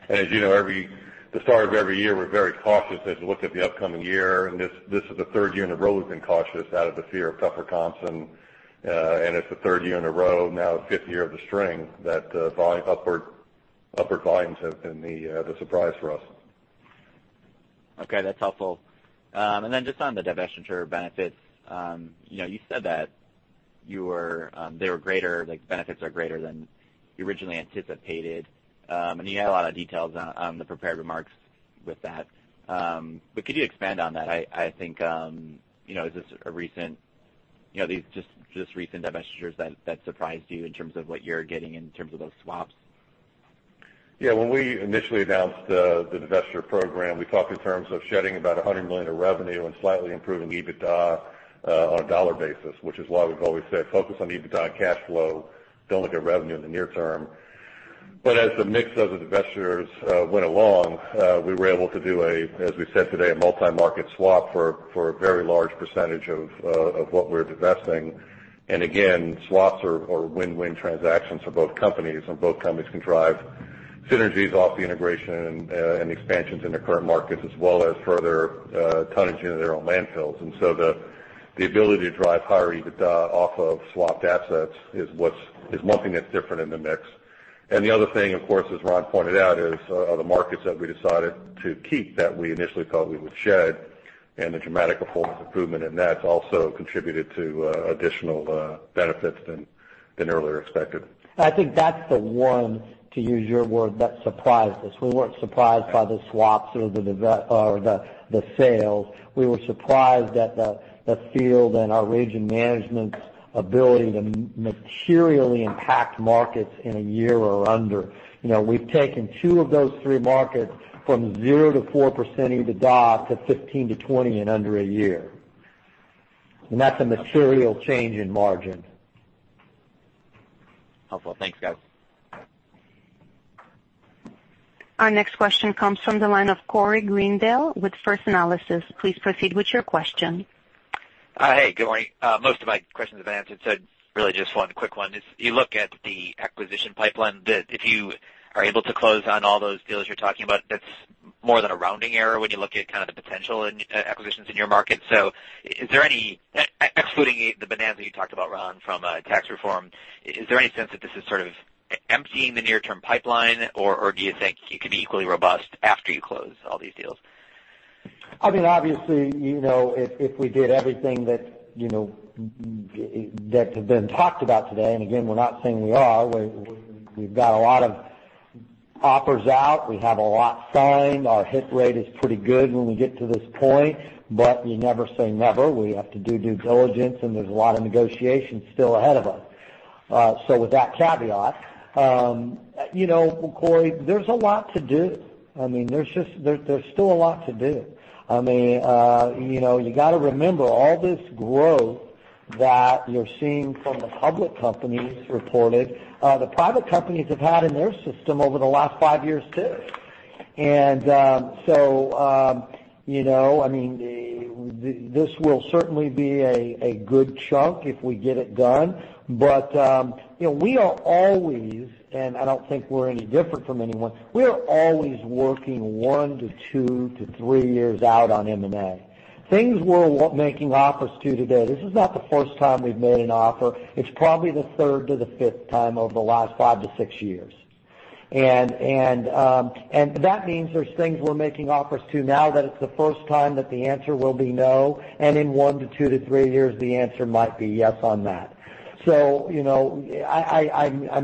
As you know, the start of every year, we're very cautious as we look at the upcoming year, this is the third year in a row we've been cautious out of the fear of tougher comps, and it's the third year in a row, now fifth year of the string, that upward volumes have been the surprise for us. Okay, that's helpful. Then just on the divestiture benefits, you said that the benefits are greater than you originally anticipated. You had a lot of details on the prepared remarks with that. Could you expand on that? I think, these just recent divestitures that surprised you in terms of what you're getting in terms of those swaps. Yeah. When we initially announced the divestiture program, we talked in terms of shedding about 100 million of revenue and slightly improving EBITDA on a dollar basis, which is why we've always said, "Focus on EBITDA cash flow. Don't look at revenue in the near term." As the mix of the divestitures went along, we were able to do a, as we said today, a multi-market swap for a very large percentage of what we're divesting. Again, swaps are win-win transactions for both companies, and both companies can drive synergies off the integration and expansions in their current markets, as well as further tonnage into their own landfills. The ability to drive higher EBITDA off of swapped assets is one thing that's different in the mix. The other thing, of course, as Ron pointed out, is the markets that we decided to keep that we initially thought we would shed, and the dramatic performance improvement in that's also contributed to additional benefits than earlier expected. I think that's the one, to use your word, that surprised us. We weren't surprised by the swaps or the sales. We were surprised at the field and our region management's ability to materially impact markets in a year or under. We've taken two of those three markets from 0%-4% EBITDA to 15%-20% in under a year. That's a material change in margin. Helpful. Thanks, guys. Our next question comes from the line of Corey Greendale with First Analysis. Please proceed with your question. Hey, good morning. Most of my questions have been answered, really just one quick one is, you look at the acquisition pipeline, that if you are able to close on all those deals you're talking about, that's more than a rounding error when you look at kind of the potential in acquisitions in your market. Excluding the bonanza you talked about, Ron, from tax reform, is there any sense that this is sort of emptying the near term pipeline, or do you think it could be equally robust after you close all these deals? Obviously, if we did everything that have been talked about today, and again, we're not saying we are, we've got a lot of offers out. We have a lot signed. Our hit rate is pretty good when we get to this point, but you never say never. We have to do due diligence, and there's a lot of negotiation still ahead of us. With that caveat, Corey, there's a lot to do I mean, there's still a lot to do. You got to remember all this growth that you're seeing from the public companies reported, the private companies have had in their system over the last five years, too. This will certainly be a good chunk if we get it done. We are always, and I don't think we're any different from anyone, we are always working one to two to three years out on M&A. Things we're making offers to today. This is not the first time we've made an offer. It's probably the third to the fifth time over the last five to six years. That means there's things we're making offers to now that it's the first time that the answer will be no, and in one to two to three years, the answer might be yes on that. I'm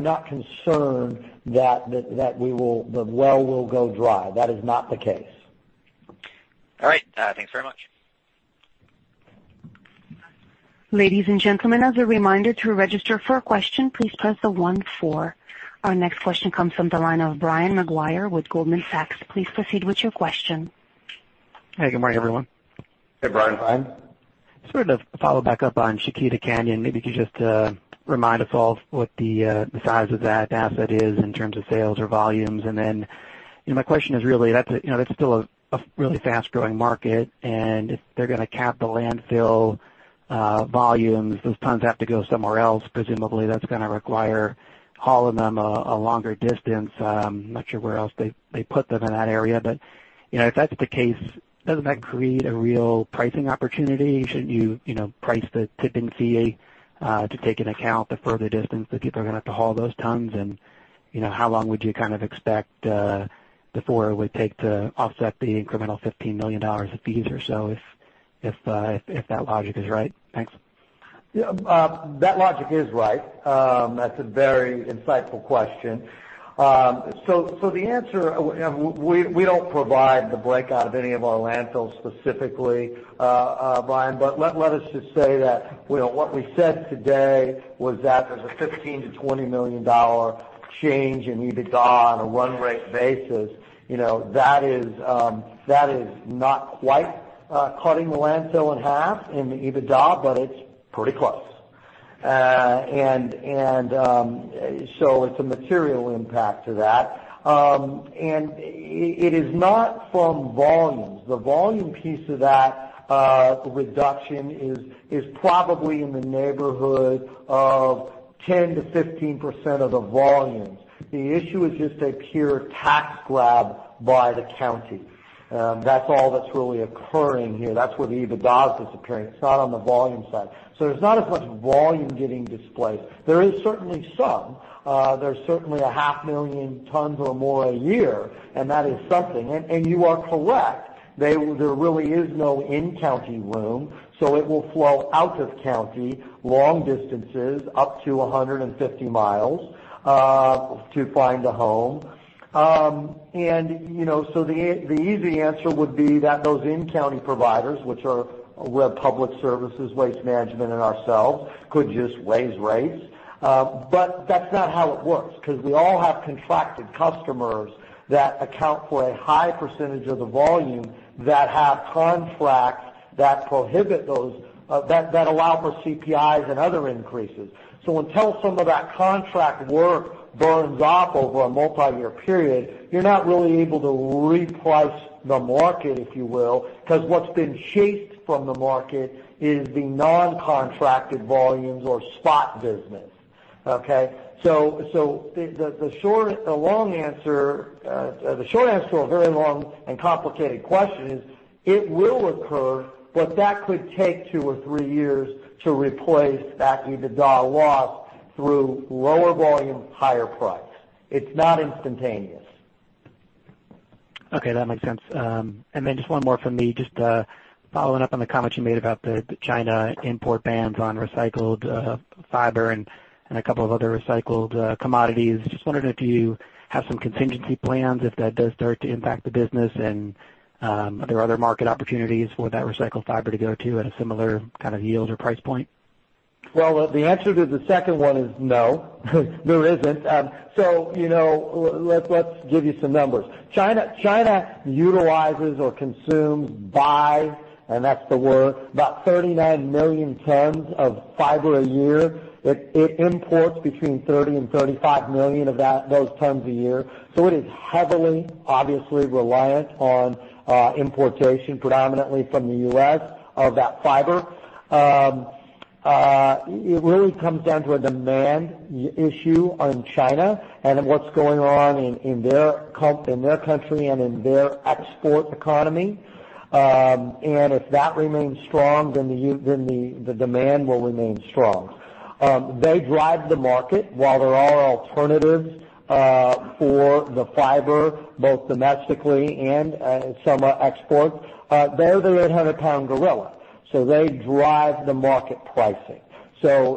not concerned that the well will go dry. That is not the case. All right. Thanks very much. Ladies and gentlemen, as a reminder to register for a question, please press the 14. Our next question comes from the line of Brian Maguire with Goldman Sachs. Please proceed with your question. Hey, good morning, everyone. Hey, Brian. Sort of follow back up on Chiquita Canyon. Maybe you could just remind us all what the size of that asset is in terms of sales or volumes. My question is really, that's still a really fast-growing market, and if they're going to cap the landfill volumes, those tons have to go somewhere else. Presumably, that's going to require hauling them a longer distance. I'm not sure where else they put them in that area. If that's the case, doesn't that create a real pricing opportunity? Shouldn't you price the tipping fee to take into account the further distance that people are going to have to haul those tons? How long would you kind of expect before it would take to offset the incremental $15 million of fees or so if that logic is right? Thanks. That logic is right. That's a very insightful question. The answer, we don't provide the breakout of any of our landfills specifically, Brian, but let us just say that what we said today was that there's a $15 million-$20 million change in EBITDA on a run rate basis. That is not quite cutting the landfill in half in the EBITDA, but it's pretty close. It's a material impact to that. It is not from volumes. The volume piece of that reduction is probably in the neighborhood of 10%-15% of the volumes. The issue is just a pure tax grab by the county. That's all that's really occurring here. That's where the EBITDA is disappearing. It's not on the volume side. There's not as much volume getting displaced. There is certainly some. There's certainly a half million tons or more a year, and that is something. You are correct. There really is no in-county room, so it will flow out of county, long distances, up to 150 miles, to find a home. The easy answer would be that those in-county providers, which are Republic Services, Waste Management, and ourselves, could just raise rates. That's not how it works, because we all have contracted customers that account for a high percentage of the volume that have contracts that allow for CPIs and other increases. Until some of that contract work burns off over a multi-year period, you're not really able to reprice the market, if you will, because what's been chased from the market is the non-contracted volumes or spot business. Okay. The short answer to a very long and complicated question is it will occur, but that could take two or three years to replace that EBITDA loss through lower volume, higher price. It's not instantaneous. Okay, that makes sense. Then just one more from me, just following up on the comments you made about the China import bans on recycled fiber and a couple of other recycled commodities. Just wondering if you have some contingency plans if that does start to impact the business, and are there other market opportunities for that recycled fiber to go to at a similar kind of yield or price point? Well, the answer to the second one is no, there isn't. Let's give you some numbers. China utilizes or consumes by, and that's the word, about 39 million tons of fiber a year. It imports between 30 and 35 million of those tons a year. It is heavily, obviously reliant on importation, predominantly from the U.S., of that fiber. It really comes down to a demand issue on China and what's going on in their country and in their export economy. If that remains strong, then the demand will remain strong. They drive the market. While there are alternatives for the fiber, both domestically and some are exports, they're the 800-pound gorilla. They drive the market pricing. They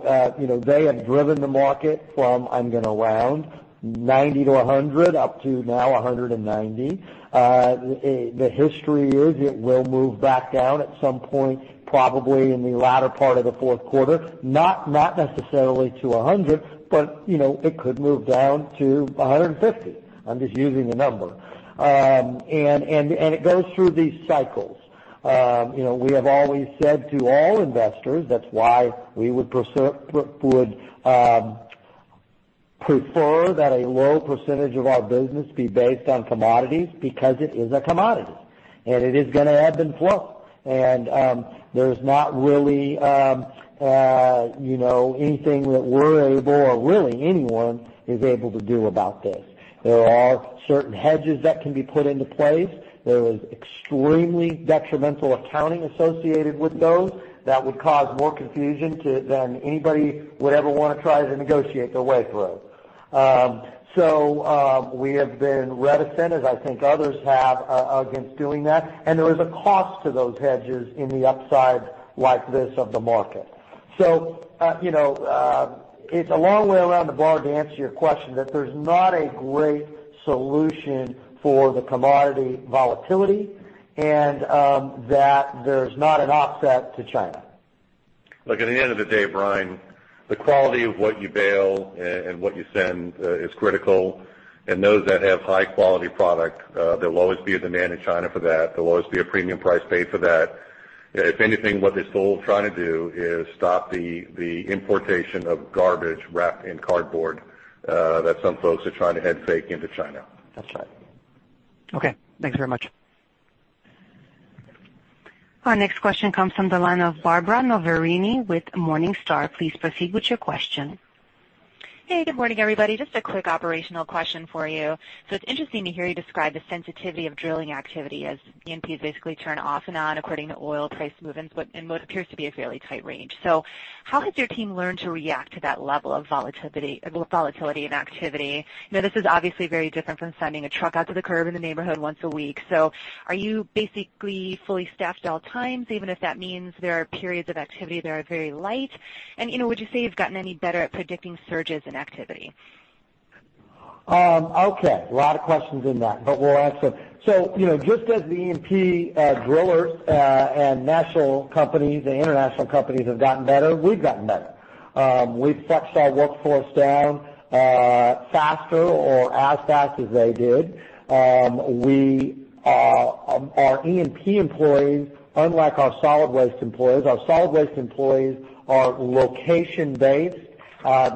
have driven the market from, I'm going to round, 90 to 100 up to now 190. The history is it will move back down at some point, probably in the latter part of the fourth quarter, not necessarily to $100, but it could move down to $150. I'm just using the number. It goes through these cycles. We have always said to all investors that's why we would prefer that a low percentage of our business be based on commodities, because it is a commodity, and it is going to ebb and flow. There's not really anything that we're able, or really anyone is able to do about this. There are certain hedges that can be put into place. There is extremely detrimental accounting associated with those that would cause more confusion than anybody would ever want to try to negotiate their way through. We have been reticent, as I think others have, against doing that, there is a cost to those hedges in the upside like this of the market. It's a long way around the bar to answer your question, that there's not a great solution for the commodity volatility, and that there's not an offset to China. Look, at the end of the day, Brian, the quality of what you bale and what you send is critical. Those that have high-quality product, there will always be a demand in China for that. There will always be a premium price paid for that. If anything, what they're still trying to do is stop the importation of garbage wrapped in cardboard that some folks are trying to head fake into China. That's right. Okay, thanks very much. Our next question comes from the line of Barbara Noverini with Morningstar. Please proceed with your question. Hey, good morning, everybody. Just a quick operational question for you. It's interesting to hear you describe the sensitivity of drilling activity as E&P has basically turned off and on according to oil price movements in what appears to be a fairly tight range. How has your team learned to react to that level of volatility and activity? This is obviously very different from sending a truck out to the curb in the neighborhood once a week. Are you basically fully staffed at all times, even if that means there are periods of activity that are very light? Would you say you've gotten any better at predicting surges in activity? Okay. A lot of questions in that, we'll answer. Just as the E&P drillers and national companies and international companies have gotten better, we've gotten better. We've flexed our workforce down faster or as fast as they did. Our E&P employees, unlike our solid waste employees are location-based.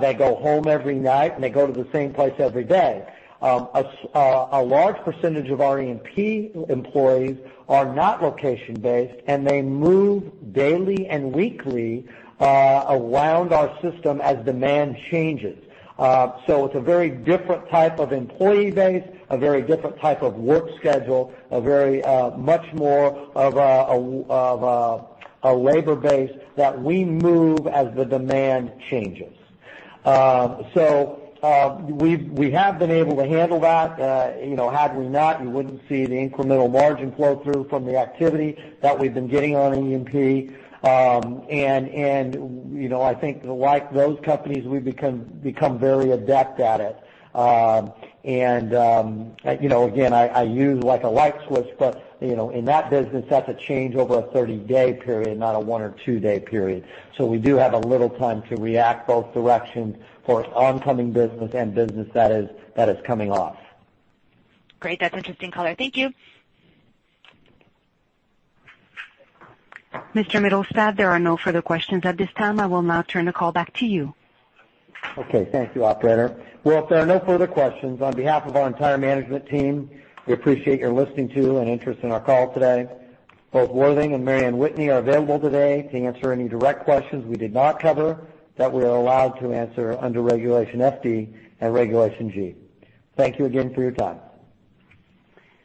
They go home every night, and they go to the same place every day. A large percentage of our E&P employees are not location-based, and they move daily and weekly around our system as demand changes. It's a very different type of employee base, a very different type of work schedule, a very much more of a labor base that we move as the demand changes. We have been able to handle that. Had we not, you wouldn't see the incremental margin flow through from the activity that we've been getting on E&P. I think like those companies, we've become very adept at it. Again, I use a light switch, but in that business, that's a change over a 30-day period, not a one or two-day period. We do have a little time to react both directions for oncoming business and business that is coming off. Great. That's interesting color. Thank you. Mr. Mittelstaedt, there are no further questions at this time. I will now turn the call back to you. Okay. Thank you, operator. If there are no further questions, on behalf of our entire management team, we appreciate your listening to and interest in our call today. Both Worthing and Mary Anne Whitney are available today to answer any direct questions we did not cover that we are allowed to answer under Regulation FD and Regulation G. Thank you again for your time.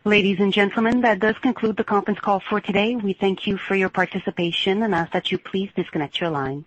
Ladies and gentlemen, that does conclude the conference call for today. We thank you for your participation and ask that you please disconnect your line.